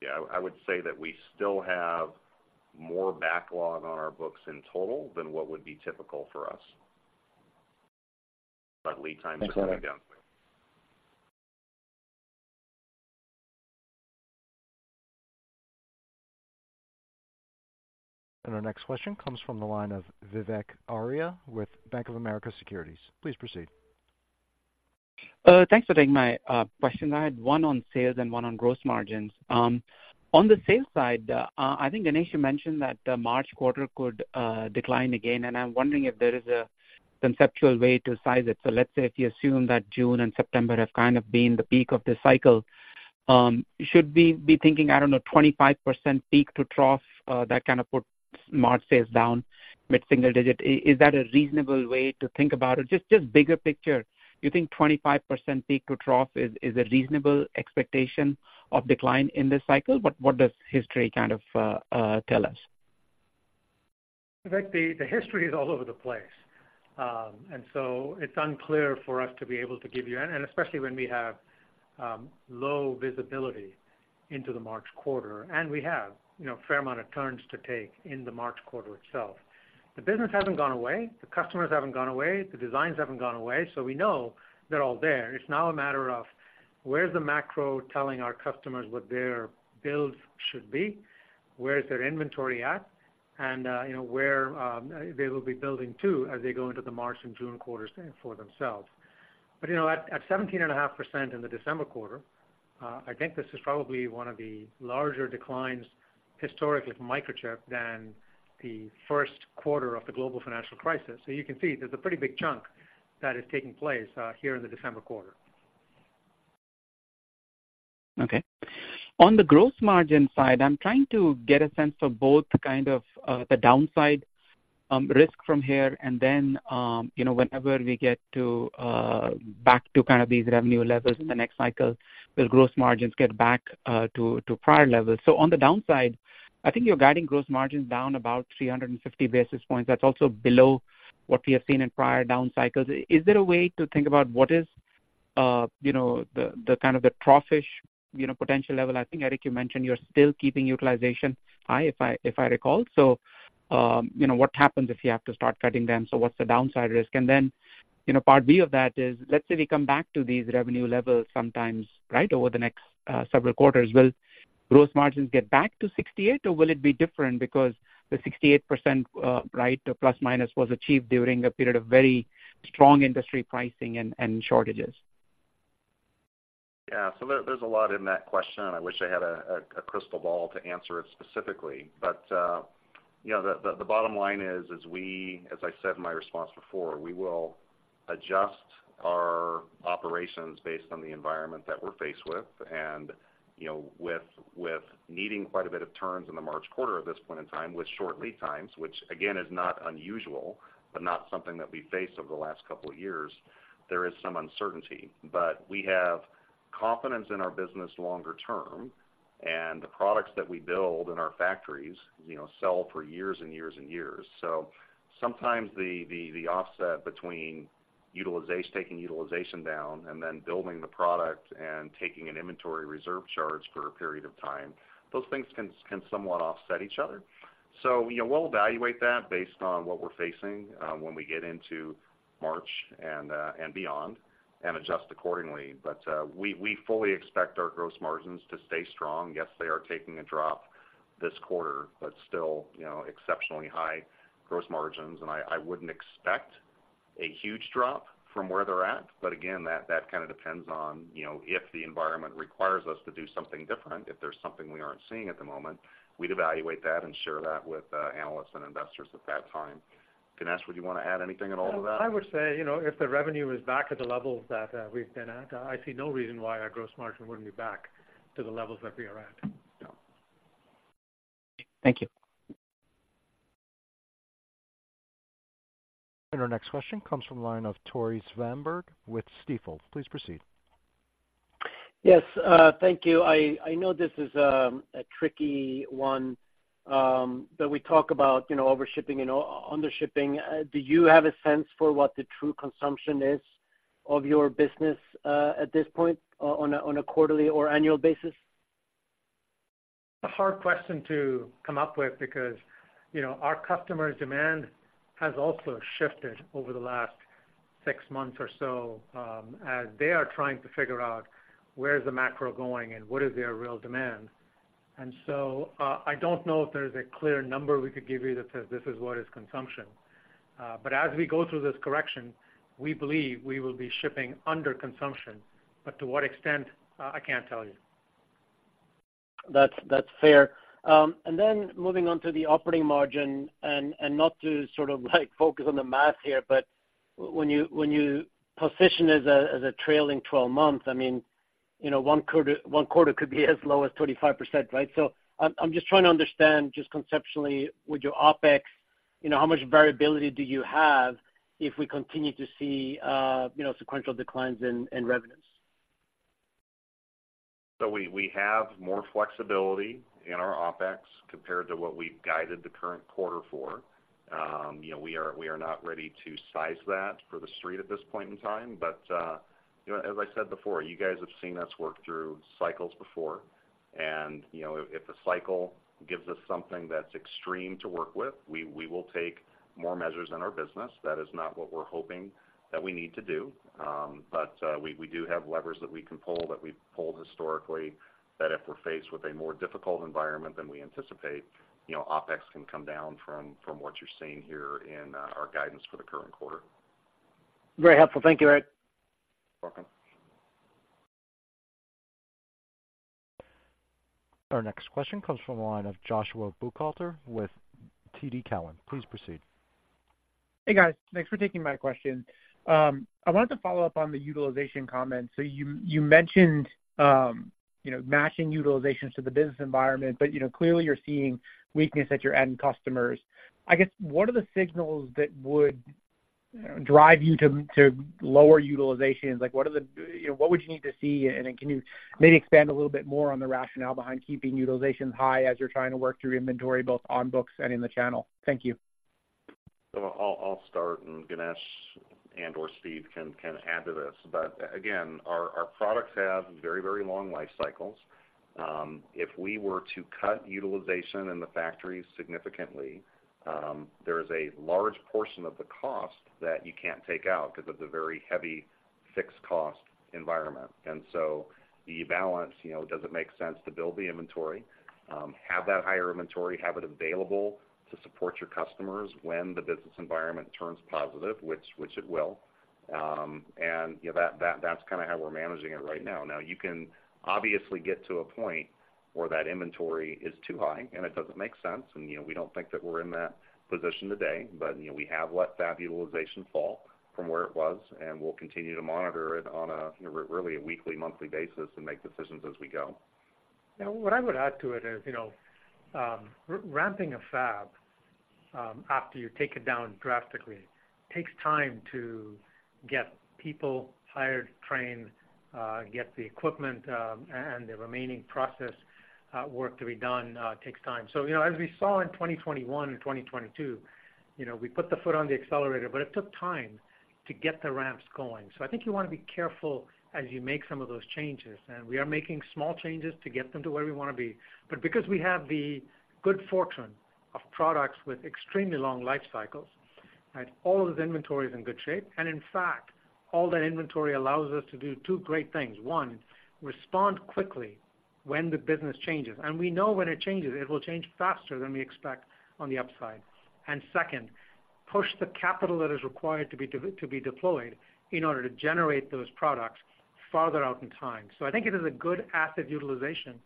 Yeah. I would say that we still have more backlog on our books in total than what would be typical for us. But lead time is coming down. Thanks, Eric. Our next question comes from the line of Vivek Arya with Bank of America Securities. Please proceed. Thanks for taking my question. I had one on sales and one on gross margins. On the sales side, I think, Ganesh, you mentioned that the March quarter could decline again, and I'm wondering if there is a conceptual way to size it. So let's say if you assume that June and September have kind of been the peak of this cycle, should we be thinking, I don't know, 25% peak to trough, that kind of put, March sales down mid-single digit. Is that a reasonable way to think about it? Just bigger picture, do you think 25% peak to trough is a reasonable expectation of decline in this cycle? What does history kind of tell us? In fact, the history is all over the place. And so it's unclear for us to be able to give you, and especially when we have low visibility into the March quarter, and we have, you know, a fair amount of turns to take in the March quarter itself. The business hasn't gone away, the customers haven't gone away, the designs haven't gone away, so we know they're all there. It's now a matter of where's the macro telling our customers what their builds should be, where is their inventory at, and, you know, where they will be building to as they go into the March and June quarters for themselves. But, you know, at 17.5% in the December quarter, I think this is probably one of the larger declines historically for Microchip than the first quarter of the global financial crisis. So you can see there's a pretty big chunk that is taking place here in the December quarter. Okay. On the gross margin side, I'm trying to get a sense of both kind of the downside risk from here, and then, you know, whenever we get back to kind of these revenue levels in the next cycle, will gross margins get back to prior levels? So on the downside, I think you're guiding gross margins down about 350 basis points. That's also below what we have seen in prior down cycles. Is there a way to think about what is the kind of the trough-ish potential level? I think, Eric, you mentioned you're still keeping utilization high, if I recall. So, you know, what happens if you have to start cutting them? So what's the downside risk? Then, you know, part B of that is, let's say we come back to these revenue levels sometimes, right, over the next several quarters. Will gross margins get back to 68, or will it be different because the 68%, right, ±, was achieved during a period of very strong industry pricing and shortages? Yeah, so there's a lot in that question, and I wish I had a crystal ball to answer it specifically. But, you know, the bottom line is we, as I said in my response before, we will adjust our operations based on the environment that we're faced with. And, you know, with needing quite a bit of turns in the March quarter at this point in time, with short lead times, which again, is not unusual, but not something that we've faced over the last couple of years, there is some uncertainty. But we have confidence in our business longer term, and the products that we build in our factories, you know, sell for years and years and years. So sometimes the offset between taking utilization down and then building the product and taking an inventory reserve charge for a period of time, those things can somewhat offset each other. So, you know, we'll evaluate that based on what we're facing when we get into March and beyond, and adjust accordingly. But we fully expect our gross margins to stay strong. Yes, they are taking a drop this quarter, but still, you know, exceptionally high gross margins. And I wouldn't expect a huge drop from where they're at. But again, that kind of depends on, you know, if the environment requires us to do something different. If there's something we aren't seeing at the moment, we'd evaluate that and share that with analysts and investors at that time. Ganesh, would you want to add anything at all to that? I would say, you know, if the revenue is back at the levels that we've been at, I see no reason why our gross margin wouldn't be back to the levels that we are at. Yeah. Thank you. Our next question comes from the line of Tore Svanberg with Stifel. Please proceed. Yes, thank you. I know this is a tricky one, but we talk about, you know, overshipping and undershipping. Do you have a sense for what the true consumption is of your business, at this point, on a quarterly or annual basis? A hard question to come up with because, you know, our customers' demand has also shifted over the last six months or so, as they are trying to figure out where is the macro going and what is their real demand. And so, I don't know if there's a clear number we could give you that says this is what is consumption. But as we go through this correction, we believe we will be shipping under consumption. But to what extent? I can't tell you. That's fair. And then moving on to the operating margin, and not to sort of, like, focus on the math here, but when you, when you position as a, as a trailing twelve months, I mean, you know, one quarter, one quarter could be as low as 25%, right? So I'm just trying to understand just conceptually, with your OpEx, you know, how much variability do you have if we continue to see, you know, sequential declines in revenues? So we have more flexibility in our OpEx compared to what we've guided the current quarter for. You know, we are not ready to size that for the street at this point in time. But, you know, as I said before, you guys have seen us work through cycles before, and, you know, if the cycle gives us something that's extreme to work with, we will take more measures in our business. That is not what we're hoping that we need to do. But, we do have levers that we can pull, that we've pulled historically, that if we're faced with a more difficult environment than we anticipate, you know, OpEx can come down from what you're seeing here in our guidance for the current quarter. Very helpful. Thank you, Eric. You're welcome. Our next question comes from the line of Joshua Buchalter with TD Cowen. Please proceed. Hey, guys. Thanks for taking my question. I wanted to follow up on the utilization comments. So you mentioned, you know, matching utilizations to the business environment, but, you know, clearly you're seeing weakness at your end customers. I guess, what are the signals that would drive you to lower utilizations? Like, what are the, you know, what would you need to see? And then can you maybe expand a little bit more on the rationale behind keeping utilizations high as you're trying to work through inventory, both on books and in the channel? Thank you. So I'll start, and Ganesh and/or Steve can add to this. But again, our products have very, very long life cycles. If we were to cut utilization in the factories significantly, there is a large portion of the cost that you can't take out because of the very heavy fixed cost environment. And so the balance, you know, does it make sense to build the inventory, have that higher inventory, have it available to support your customers when the business environment turns positive, which it will? And, you know, that's kind of how we're managing it right now. Now, you can obviously get to a point where that inventory is too high, and it doesn't make sense, and, you know, we don't think that we're in that position today. But, you know, we have let fab utilization fall from where it was, and we'll continue to monitor it on a, you know, really a weekly, monthly basis and make decisions as we go. Yeah, what I would add to it is, you know, ramping a fab, after you take it down drastically, takes time to get people hired, trained, get the equipment, and the remaining process, work to be done, takes time. So, you know, as we saw in 2021 and 2022, you know, we put the foot on the accelerator, but it took time to get the ramps going. So I think you want to be careful as you make some of those changes, and we are making small changes to get them to where we want to be. But because we have the good fortune of products with extremely long life cycles, right, all of the inventory is in good shape. And in fact, all that inventory allows us to do two great things. One, respond quickly when the business changes, and we know when it changes, it will change faster than we expect on the upside. And second, push the capital that is required to be deployed in order to generate those products farther out in time. So I think it is a good asset utilization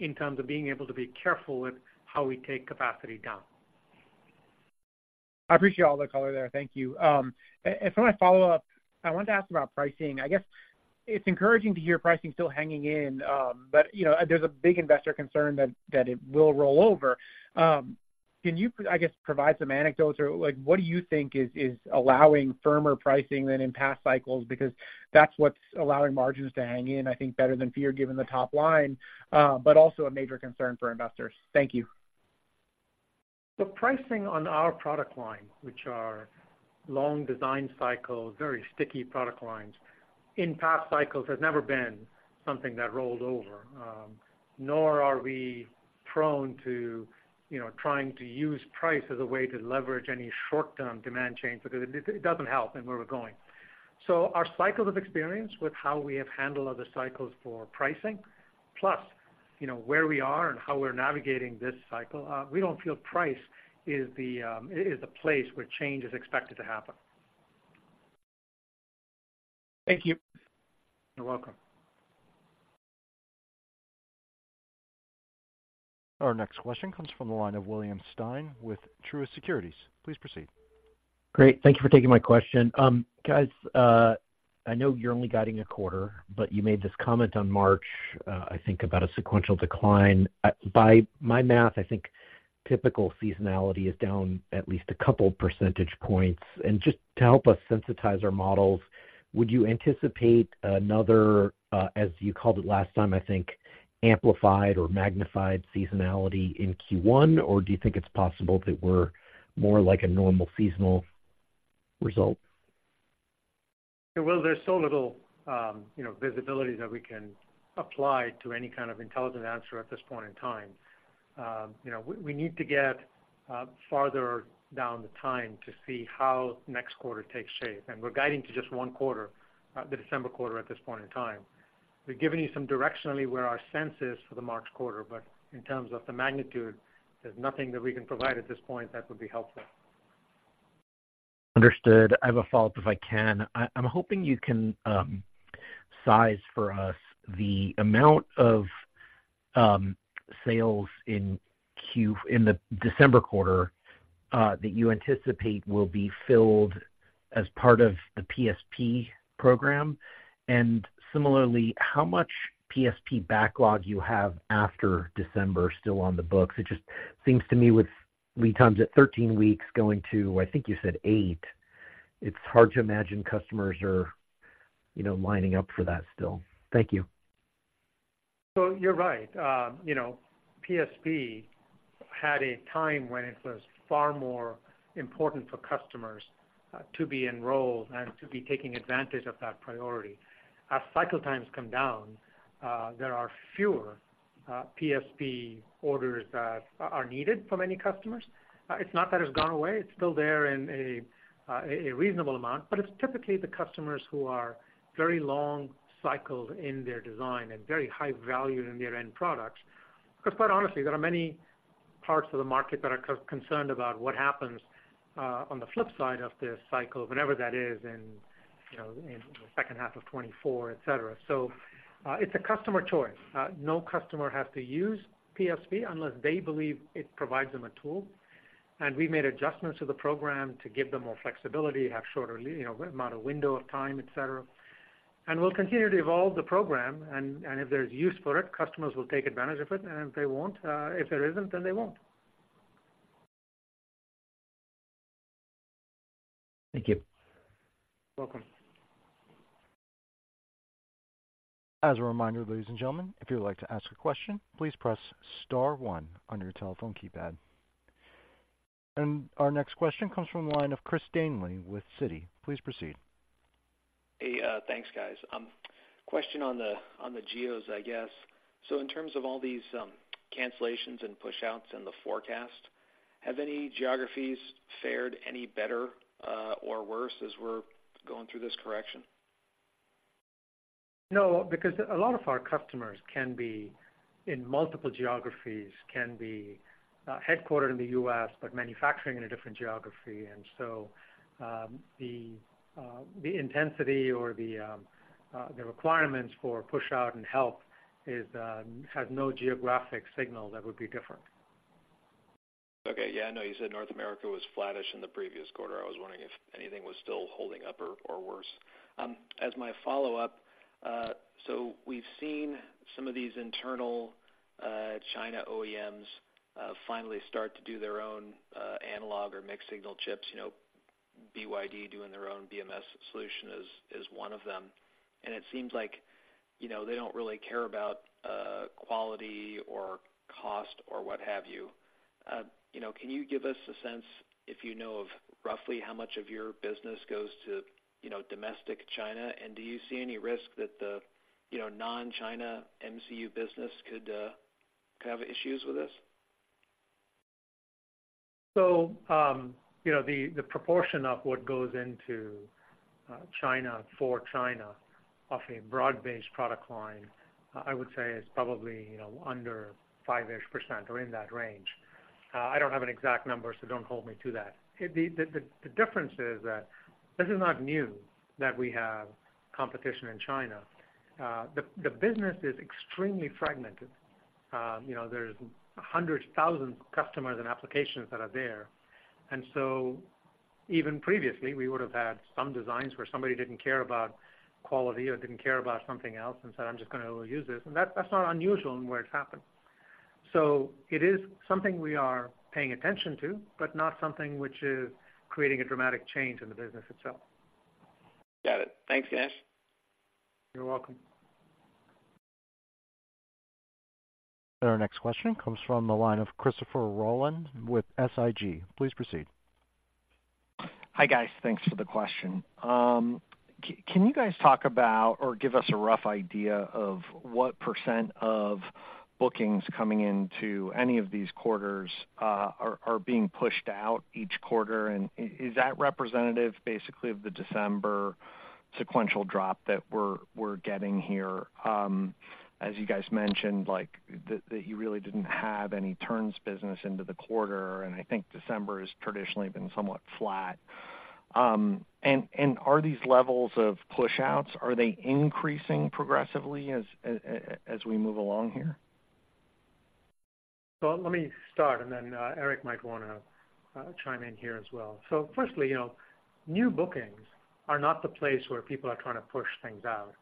in terms of being able to be careful with how we take capacity down. I appreciate all the color there. Thank you. For my follow-up, I wanted to ask about pricing. I guess it's encouraging to hear pricing still hanging in, but, you know, there's a big investor concern that it will roll over. Can you, I guess, provide some anecdotes or, like, what do you think is allowing firmer pricing than in past cycles? Because that's what's allowing margins to hang in, I think, better than fear, given the top line, but also a major concern for investors. Thank you. The pricing on our product line, which are long design cycles, very sticky product lines, in past cycles, has never been something that rolled over. Nor are we prone to, you know, trying to use price as a way to leverage any short-term demand change because it, it doesn't help in where we're going. So our cycles of experience with how we have handled other cycles for pricing, plus, you know, where we are and how we're navigating this cycle, we don't feel price is the, is the place where change is expected to happen. Thank you. You're welcome. Our next question comes from the line of William Stein with Truist Securities. Please proceed. Great. Thank you for taking my question. Guys, I know you're only guiding a quarter, but you made this comment on March, I think, about a sequential decline. By my math, I think typical seasonality is down at least a couple percentage points. And just to help us sensitize our models, would you anticipate another, as you called it last time, I think, amplified or magnified seasonality in Q1? Or do you think it's possible that we're more like a normal seasonal result? Well, there's so little, you know, visibility that we can apply to any kind of intelligent answer at this point in time. You know, we, we need to get farther down the time to see how next quarter takes shape, and we're guiding to just one quarter, the December quarter at this point in time. We've given you some directionally where our sense is for the March quarter, but in terms of the magnitude, there's nothing that we can provide at this point that would be helpful. Understood. I have a follow-up, if I can. I'm hoping you can size for us the amount of sales in the December quarter that you anticipate will be filled as part of the PSP program. And similarly, how much PSP backlog you have after December still on the books? It just seems to me with lead times at 13 weeks going to, I think you said 8, it's hard to imagine customers are, you know, lining up for that still. Thank you. So you're right. You know, PSP had a time when it was far more important for customers to be enrolled and to be taking advantage of that priority. As cycle times come down, there are fewer PSP orders that are needed from any customers. It's not that it's gone away, it's still there in a reasonable amount, but it's typically the customers who are very long cycled in their design and very high value in their end products. Because quite honestly, there are many parts of the market that are concerned about what happens on the flip side of this cycle, whenever that is in, you know, in the second half of 2024, et cetera. So, it's a customer choice. No customer has to use PSP unless they believe it provides them a tool, and we made adjustments to the program to give them more flexibility, have shorter, you know, amount of window of time, et cetera. And we'll continue to evolve the program, and if there's use for it, customers will take advantage of it, and if they won't, if there isn't, then they won't. Thank you. Welcome. As a reminder, ladies and gentlemen, if you'd like to ask a question, please press star one on your telephone keypad. Our next question comes from the line of Chris Danely with Citi. Please proceed. Hey, thanks, guys. Question on the geos, I guess. So in terms of all these, cancellations and pushouts in the forecast, have any geographies fared any better, or worse as we're going through this correction? No, because a lot of our customers can be in multiple geographies, can be headquartered in the U.S., but manufacturing in a different geography. And so, the intensity or the requirements for pushout and help has no geographic signal that would be different. Okay. Yeah, I know you said North America was flattish in the previous quarter. I was wondering if anything was still holding up or worse. As my follow-up, so we've seen some of these internal China OEMs finally start to do their own analog or mixed-signal chips, you know, BYD doing their own BMS solution is one of them. And it seems like, you know, they don't really care about quality or cost or what have you. You know, can you give us a sense, if you know, of roughly how much of your business goes to, you know, domestic China? And do you see any risk that the, you know, non-China MCU business could have issues with this? So, you know, the proportion of what goes into China for China, of a broad-based product line, I would say is probably, you know, under 5%-ish or in that range. I don't have an exact number, so don't hold me to that. The difference is that this is not new, that we have competition in China. The business is extremely fragmented. You know, there's hundreds, thousands of customers and applications that are there. And so even previously, we would have had some designs where somebody didn't care about quality or didn't care about something else and said, "I'm just gonna overuse this," and that's not unusual in where it's happened. So it is something we are paying attention to, but not something which is creating a dramatic change in the business itself. Got it. Thanks, Ganesh. You're welcome. Our next question comes from the line of Christopher Rolland with SIG. Please proceed. Hi, guys. Thanks for the question. Can you guys talk about or give us a rough idea of what percent of bookings coming into any of these quarters are being pushed out each quarter? And is that representative, basically, of the December sequential drop that we're getting here? As you guys mentioned, like, that you really didn't have any turns business into the quarter, and I think December has traditionally been somewhat flat. And are these levels of pushouts increasing progressively as we move along here? So let me start, and then Eric might wanna chime in here as well. So firstly, you know, new bookings are not the place where people are trying to push things out,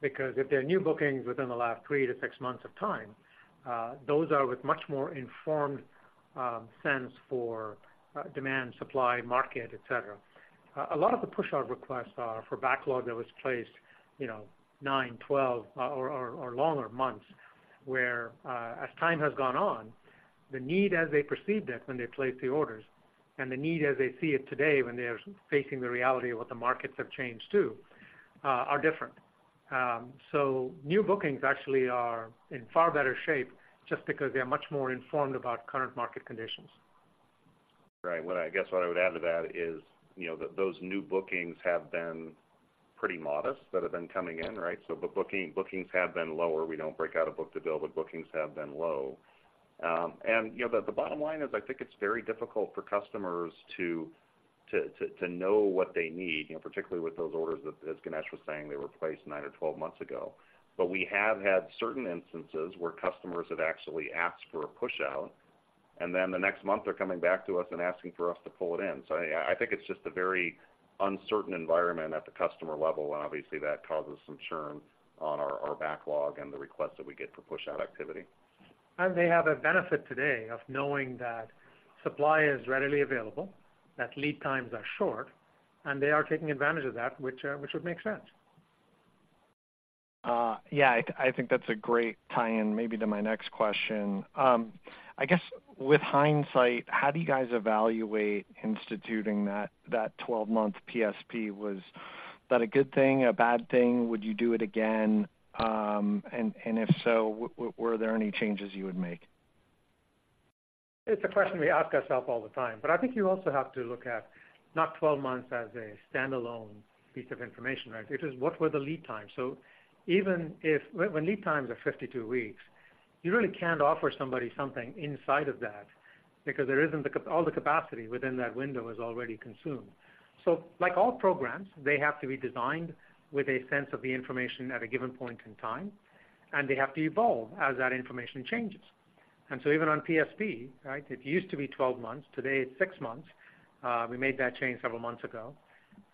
because if they're new bookings within the last 3-6 months of time, those are with much more informed sense for demand, supply, market, et cetera. A lot of the pushout requests are for backlog that was placed, you know, nine, 12, or longer months, where, as time has gone on, the need as they perceived it when they placed the orders and the need as they see it today, when they are facing the reality of what the markets have changed to, are different. So new bookings actually are in far better shape just because they are much more informed about current market conditions. Right. What I guess, what I would add to that is, you know, that those new bookings have been pretty modest that have been coming in, right? So the bookings have been lower. We don't break out a book-to-bill, but bookings have been low. And, you know, the bottom line is, I think it's very difficult for customers to know what they need, you know, particularly with those orders that, as Ganesh was saying, they were placed nine or 12 months ago. But we have had certain instances where customers have actually asked for a pushout, and then the next month they're coming back to us and asking for us to pull it in. So I think it's just a very uncertain environment at the customer level, and obviously, that causes some churn on our backlog and the requests that we get for pushout activity. They have a benefit today of knowing that supply is readily available, that lead times are short, and they are taking advantage of that, which would make sense. Yeah, I think that's a great tie-in, maybe to my next question. I guess with hindsight, how do you guys evaluate instituting that 12-month PSP? Was that a good thing, a bad thing? Would you do it again? And if so, were there any changes you would make? It's a question we ask ourselves all the time, but I think you also have to look at not 12 months as a standalone piece of information, right? It is, what were the lead times? So when lead times are 52 weeks, you really can't offer somebody something inside of that because there isn't the capacity—all the capacity within that window is already consumed. So like all programs, they have to be designed with a sense of the information at a given point in time, and they have to evolve as that information changes. And so even on PSP, right? It used to be 12 months, today it's 6 months. We made that change several months ago.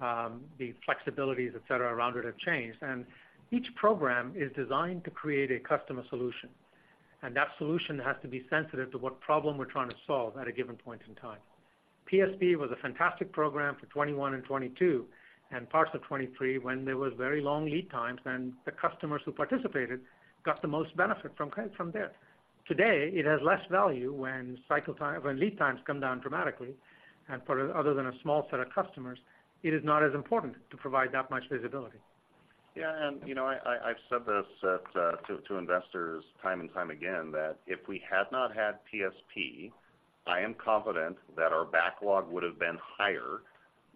The flexibilities, et cetera, around it have changed, and each program is designed to create a customer solution, and that solution has to be sensitive to what problem we're trying to solve at a given point in time. PSP was a fantastic program for 2021 and 2022, and parts of 2023, when there was very long lead times, and the customers who participated got the most benefit from there. Today, it has less value when cycle time, when lead times come down dramatically, and for, other than a small set of customers, it is not as important to provide that much visibility. Yeah, and, you know, I, I've said this at, to investors time and time again, that if we had not had PSP, I am confident that our backlog would have been higher,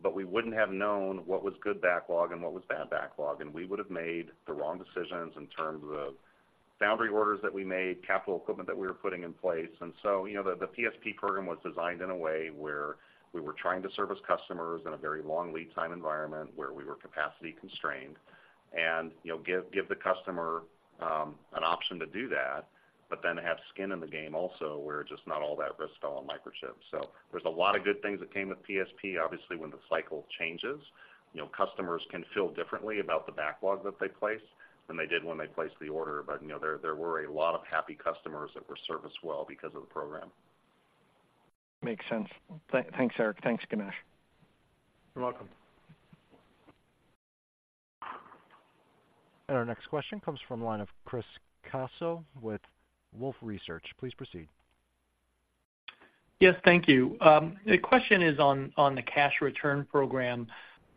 but we wouldn't have known what was good backlog and what was bad backlog, and we would have made the wrong decisions in terms of foundry orders that we made, capital equipment that we were putting in place. And so, you know, the PSP program was designed in a way where we were trying to service customers in a very long lead time environment, where we were capacity constrained, and, you know, give the customer an option to do that, but then have skin in the game also, where just not all that risk fell on Microchip. So there's a lot of good things that came with PSP. Obviously, when the cycle changes, you know, customers can feel differently about the backlog that they place than they did when they placed the order. But, you know, there were a lot of happy customers that were serviced well because of the program. Makes sense. Thanks, Eric. Thanks, Ganesh. You're welcome. Our next question comes from the line of Chris Caso with Wolfe Research. Please proceed. Yes, thank you. The question is on the cash return program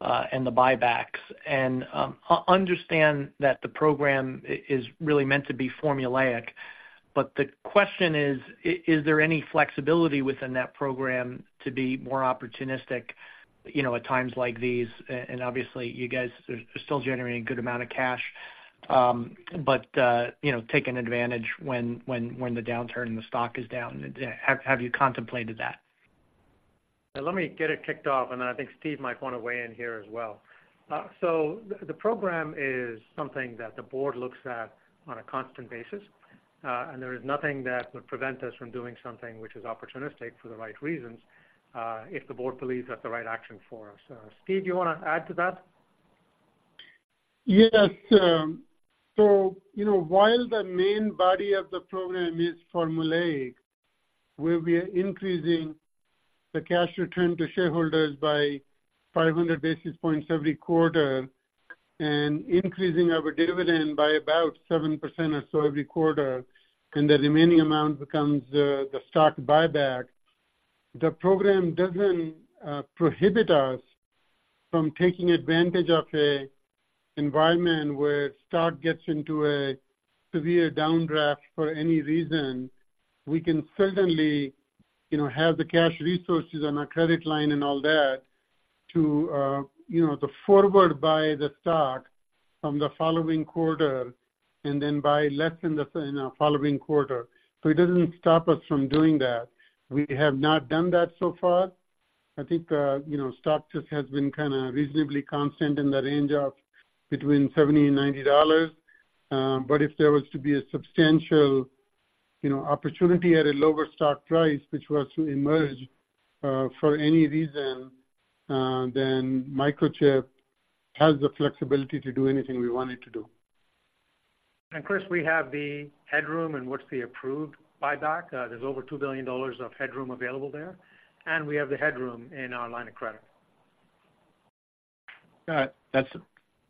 and the buybacks. I understand that the program is really meant to be formulaic, but the question is: is there any flexibility within that program to be more opportunistic, you know, at times like these? And obviously, you guys are still generating a good amount of cash, but you know, taking advantage when the downturn in the stock is down. Have you contemplated that? Let me get it kicked off, and then I think Steve might want to weigh in here as well. So the program is something that the board looks at on a constant basis, and there is nothing that would prevent us from doing something which is opportunistic for the right reasons, if the board believes that's the right action for us. Steve, do you want to add to that? Yes. So, you know, while the main body of the program is formulaic, where we are increasing the cash return to shareholders by 500 basis points every quarter and increasing our dividend by about 7% or so every quarter, and the remaining amount becomes the stock buyback. The program doesn't prohibit us from taking advantage of an environment where stock gets into a severe downdraft for any reason. We can certainly, you know, have the cash resources on our credit line and all that to, you know, to forward buy the stock from the following quarter and then buy less in the following quarter. So it doesn't stop us from doing that. We have not done that so far. I think, you know, stock just has been kind of reasonably constant in the range of between $70 and $90. But if there was to be a substantial, you know, opportunity at a lower stock price, which was to emerge, for any reason, then Microchip has the flexibility to do anything we want it to do. Chris, we have the headroom in what's the approved buyback. There's over $2 billion of headroom available there, and we have the headroom in our line of credit. Got it.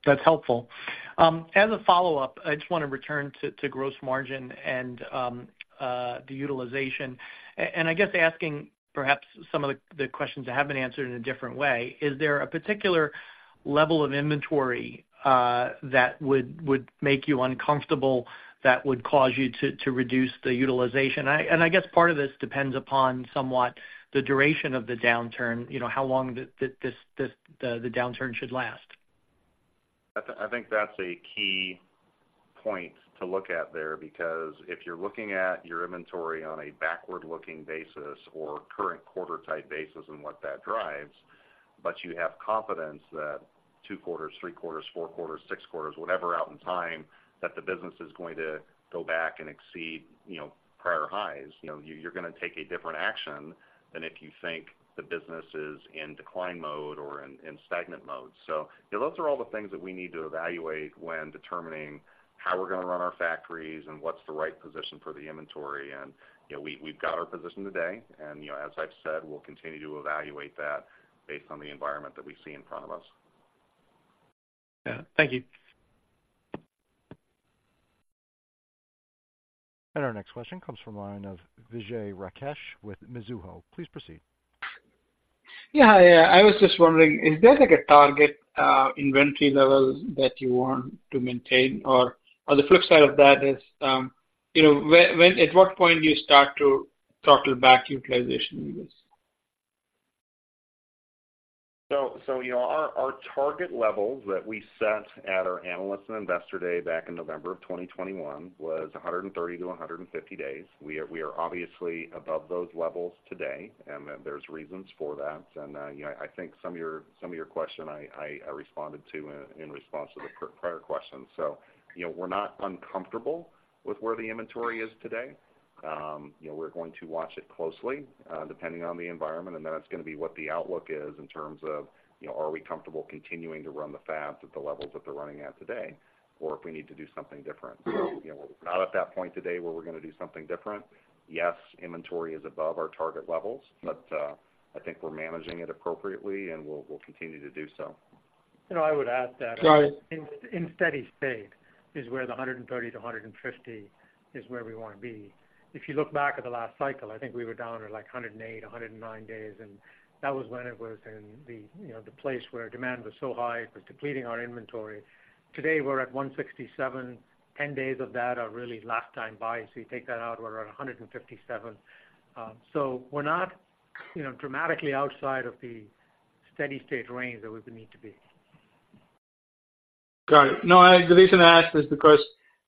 That's helpful. As a follow-up, I just want to return to gross margin and the utilization. And I guess asking perhaps some of the questions that have been answered in a different way, is there a particular level of inventory that would make you uncomfortable, that would cause you to reduce the utilization? And I guess part of this depends upon somewhat the duration of the downturn, you know, how long this downturn should last. I think that's a key point to look at there, because if you're looking at your inventory on a backward-looking basis or current quarter-type basis and what that drives, but you have confidence that two quarters, three quarters, four quarters, six quarters, whatever out in time, that the business is going to go back and exceed, you know, prior highs, you know, you're gonna take a different action than if you think the business is in decline mode or in stagnant mode. So, you know, those are all the things that we need to evaluate when determining how we're gonna run our factories and what's the right position for the inventory. And, you know, we've got our position today, and, you know, as I've said, we'll continue to evaluate that based on the environment that we see in front of us. Yeah. Thank you. Our next question comes from line of Vijay Rakesh with Mizuho. Please proceed. Yeah, I, I was just wondering, is there like a target inventory level that you want to maintain? Or, or the flip side of that is, you know, when at what point do you start to throttle back utilization use? So, you know, our target levels that we set at our Analyst and Investor Day back in November of 2021 was 130-150 days. We are obviously above those levels today, and then there's reasons for that. And, you know, I think some of your question I responded to in response to the prior question. So, you know, we're not uncomfortable with where the inventory is today. You know, we're going to watch it closely, depending on the environment, and then that's gonna be what the outlook is in terms of, you know, are we comfortable continuing to run the fabs at the levels that they're running at today, or if we need to do something different. You know, we're not at that point today where we're gonna do something different. Yes, inventory is above our target levels, but I think we're managing it appropriately, and we'll, we'll continue to do so. You know, I would add that- Got it. In steady state is where the 130-150 is where we wanna be. If you look back at the last cycle, I think we were down to, like, 108, 109 days, and that was when it was in the, you know, the place where demand was so high, it was depleting our inventory. Today, we're at 167. Ten days of that are really last time buy, so you take that out, we're around 157. So we're not, you know, dramatically outside of the steady state range that we would need to be. Got it. No, the reason I asked is because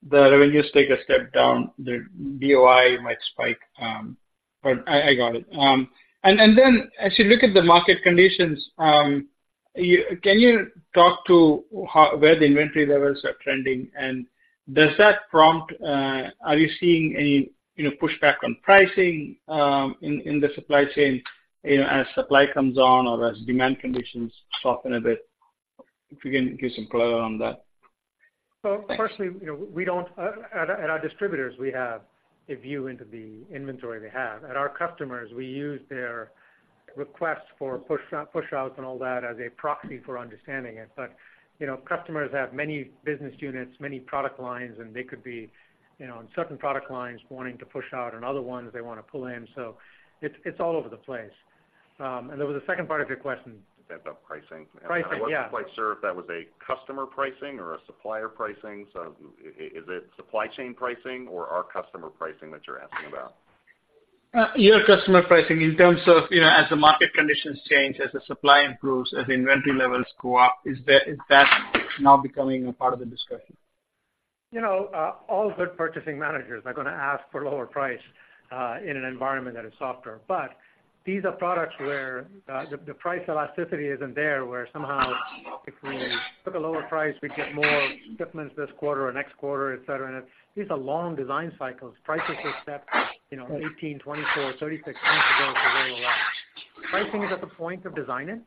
the revenues take a step down, the DOI might spike, but I got it. And then as you look at the market conditions, can you talk to where the inventory levels are trending? And does that prompt, are you seeing any, you know, pushback on pricing, in the supply chain, you know, as supply comes on or as demand conditions soften a bit? If you can give some color on that. So firstly, you know, at our distributors, we have a view into the inventory they have. At our customers, we use their requests for pushout, pushouts and all that as a proxy for understanding it. But, you know, customers have many business units, many product lines, and they could be, you know, on certain product lines, wanting to push out, and other ones they wanna pull in, so it's all over the place. And there was a second part of your question. About pricing. Pricing, yeah. I wasn't quite sure if that was a customer pricing or a supplier pricing, so is it supply chain pricing or our customer pricing that you're asking about? Your customer pricing in terms of, you know, as the market conditions change, as the supply improves, as inventory levels go up, is that, is that now becoming a part of the discussion? You know, all good purchasing managers are gonna ask for lower price in an environment that is softer. But these are products where the price elasticity isn't there, where somehow, if we took a lower price, we'd get more shipments this quarter or next quarter, et cetera. And these are long design cycles. Prices are set, you know, 18, 24, 36 months ago. They're very low. Pricing is at the point of designing,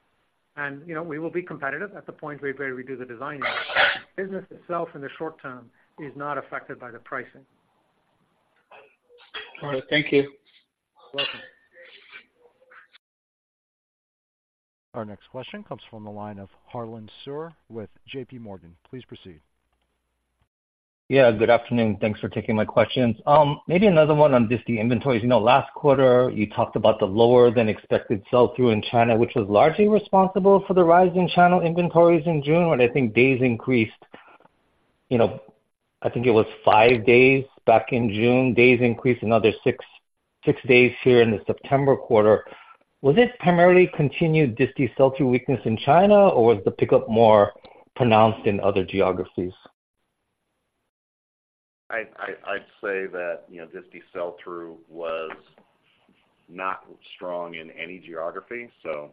and, you know, we will be competitive at the point where we do the designing. Business itself, in the short term, is not affected by the pricing. All right, thank you. Welcome. Our next question comes from the line of Harlan Sur with JPMorgan. Please proceed. Yeah, good afternoon. Thanks for taking my questions. Maybe another one on just the inventories. You know, last quarter, you talked about the lower-than-expected sell-through in China, which was largely responsible for the rise in channel inventories in June, when I think days increased, you know, I think it was five days back in June. Days increased another 6 days here in the September quarter. Was this primarily continued disti sell-through weakness in China, or was the pickup more pronounced in other geographies? I'd say that, you know, disti sell-through was not strong in any geography, so,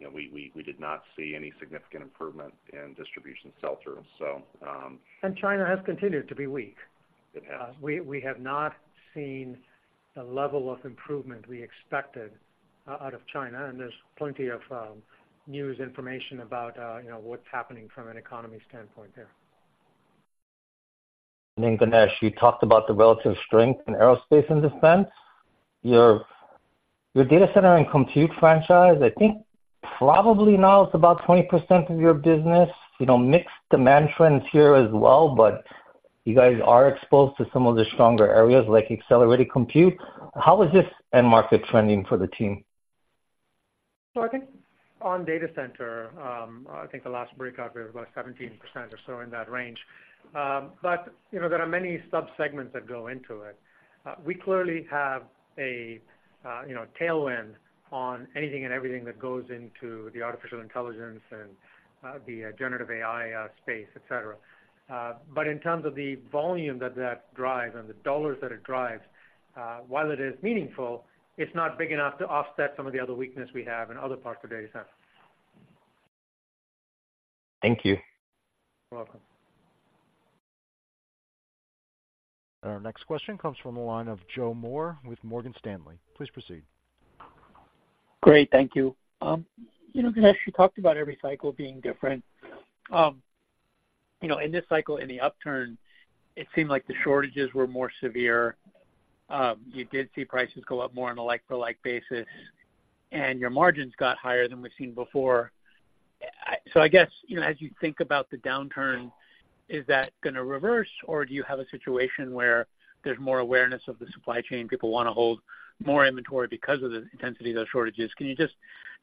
you know, we did not see any significant improvement in distribution sell-through, so, China has continued to be weak. It has. We have not seen the level of improvement we expected out of China, and there's plenty of news information about, you know, what's happening from an economy standpoint there. Then, Ganesh, you talked about the relative strength in aerospace and defense. Your data center and compute franchise, I think, probably now it's about 20% of your business. You know, mixed demand trends here as well, but you guys are exposed to some of the stronger areas, like accelerated compute. How is this end market trending for the team? So I think on data center, I think the last breakout was about 17% or so in that range. But, you know, there are many subsegments that go into it. We clearly have a, you know, tailwind on anything and everything that goes into the artificial intelligence and, the, generative AI, space, et cetera. But in terms of the volume that that drives and the dollars that it drives, while it is meaningful, it's not big enough to offset some of the other weakness we have in other parts of data center. Thank you. You're welcome. Our next question comes from the line of Joe Moore with Morgan Stanley. Please proceed. Great, thank you. You know, Ganesh, you talked about every cycle being different. You know, in this cycle, in the upturn, it seemed like the shortages were more severe. You did see prices go up more on a like-for-like basis, and your margins got higher than we've seen before. So I guess, you know, as you think about the downturn, is that gonna reverse, or do you have a situation where there's more awareness of the supply chain, people wanna hold more inventory because of the intensity of those shortages? Can you just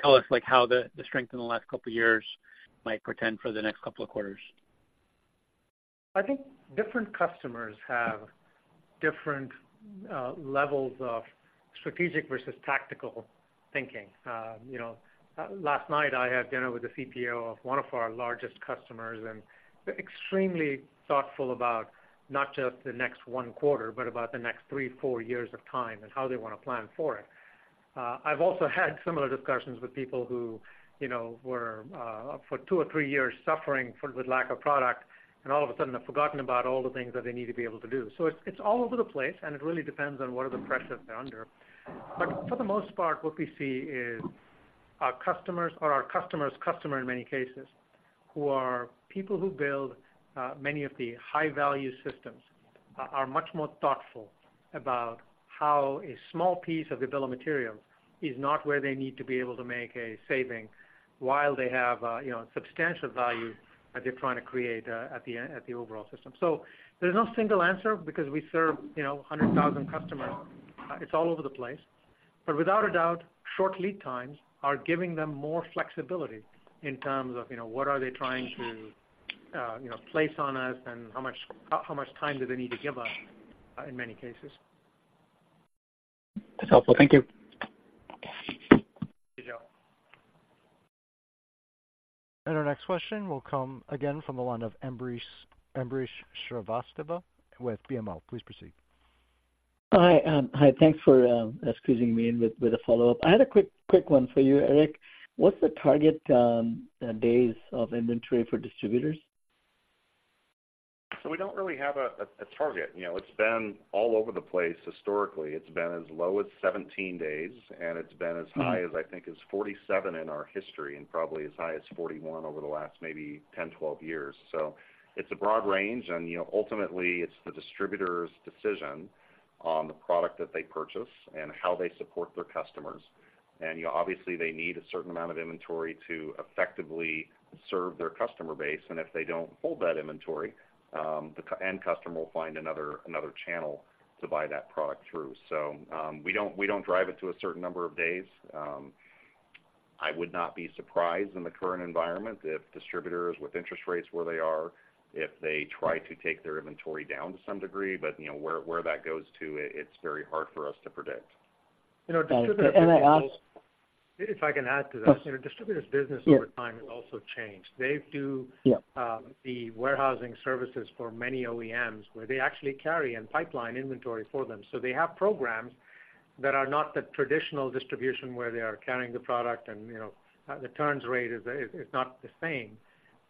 tell us, like, how the strength in the last couple of years might portend for the next couple of quarters? I think different customers have different levels of strategic versus tactical thinking. You know, last night, I had dinner with the CPO of one of our largest customers, and they're extremely thoughtful about not just the next one quarter, but about the next three, four years of time and how they wanna plan for it. I've also had similar discussions with people who, you know, were for two or three years suffering from lack of product, and all of a sudden have forgotten about all the things that they need to be able to do. So it's all over the place, and it really depends on what are the pressures they're under. But for the most part, what we see is our customers or our customer's customer, in many cases, who are people who build many of the high-value systems, are much more thoughtful about how a small piece of the bill of materials is not where they need to be able to make a saving while they have, you know, substantial value that they're trying to create at the overall system. So there's no single answer because we serve, you know, 100,000 customers. It's all over the place. But without a doubt, short lead times are giving them more flexibility in terms of, you know, what are they trying to, you know, place on us and how much time do they need to give us, in many cases. That's helpful. Thank you. Thank you, Joe. Our next question will come again from the line of Ambrish, Ambrish Srivastava with BMO. Please proceed. Hi, thanks for squeezing me in with a follow-up. I had a quick one for you, Eric. What's the target days of inventory for distributors? So we don't really have a target. You know, it's been all over the place. Historically, it's been as low as 17 days, and it's been as high- Hmm... as I think is 47 in our history, and probably as high as 41 over the last maybe 10, 12 years. So it's a broad range, and, you know, ultimately it's the distributor's decision on the product that they purchase and how they support their customers. And, you know, obviously, they need a certain amount of inventory to effectively serve their customer base, and if they don't hold that inventory, the end customer will find another, another channel to buy that product through. So, we don't, we don't drive it to a certain number of days. I would not be surprised in the current environment if distributors, with interest rates where they are, if they try to take their inventory down to some degree. But, you know, where, where that goes to, it's very hard for us to predict. Thanks. And may I ask- If I can add to that. Sure. You know, distributors' business- Yeah -over time has also changed. They do- Yeah the warehousing services for many OEMs, where they actually carry and pipeline inventory for them. So they have programs that are not the traditional distribution, where they are carrying the product and, you know, the turns rate is not the same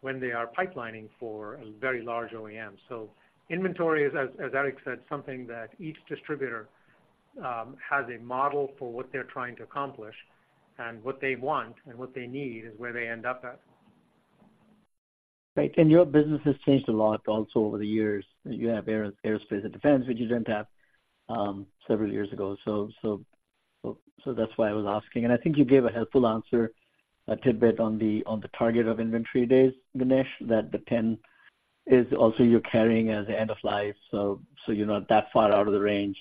when they are pipelining for a very large OEM. So inventory is, as Eric said, something that each distributor has a model for what they're trying to accomplish, and what they want and what they need is where they end up at. Right. And your business has changed a lot also over the years. You have aero, aerospace and defense, which you didn't have several years ago. So that's why I was asking, and I think you gave a helpful answer, a tidbit on the target of inventory days, Ganesh, that the 10 is also you're carrying as the end of life, so you're not that far out of the range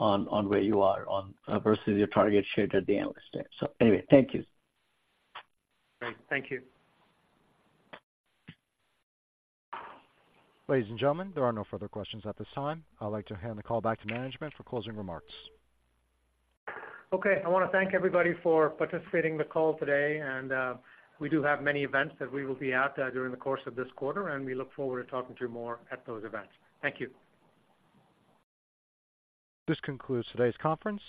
on where you are on versus your target shared at the Analyst Day. So anyway, thank you. Great. Thank you. Ladies and gentlemen, there are no further questions at this time. I'd like to hand the call back to management for closing remarks. Okay. I wanna thank everybody for participating in the call today, and we do have many events that we will be at during the course of this quarter, and we look forward to talking to you more at those events. Thank you. This concludes today's conference.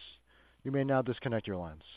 You may now disconnect your lines.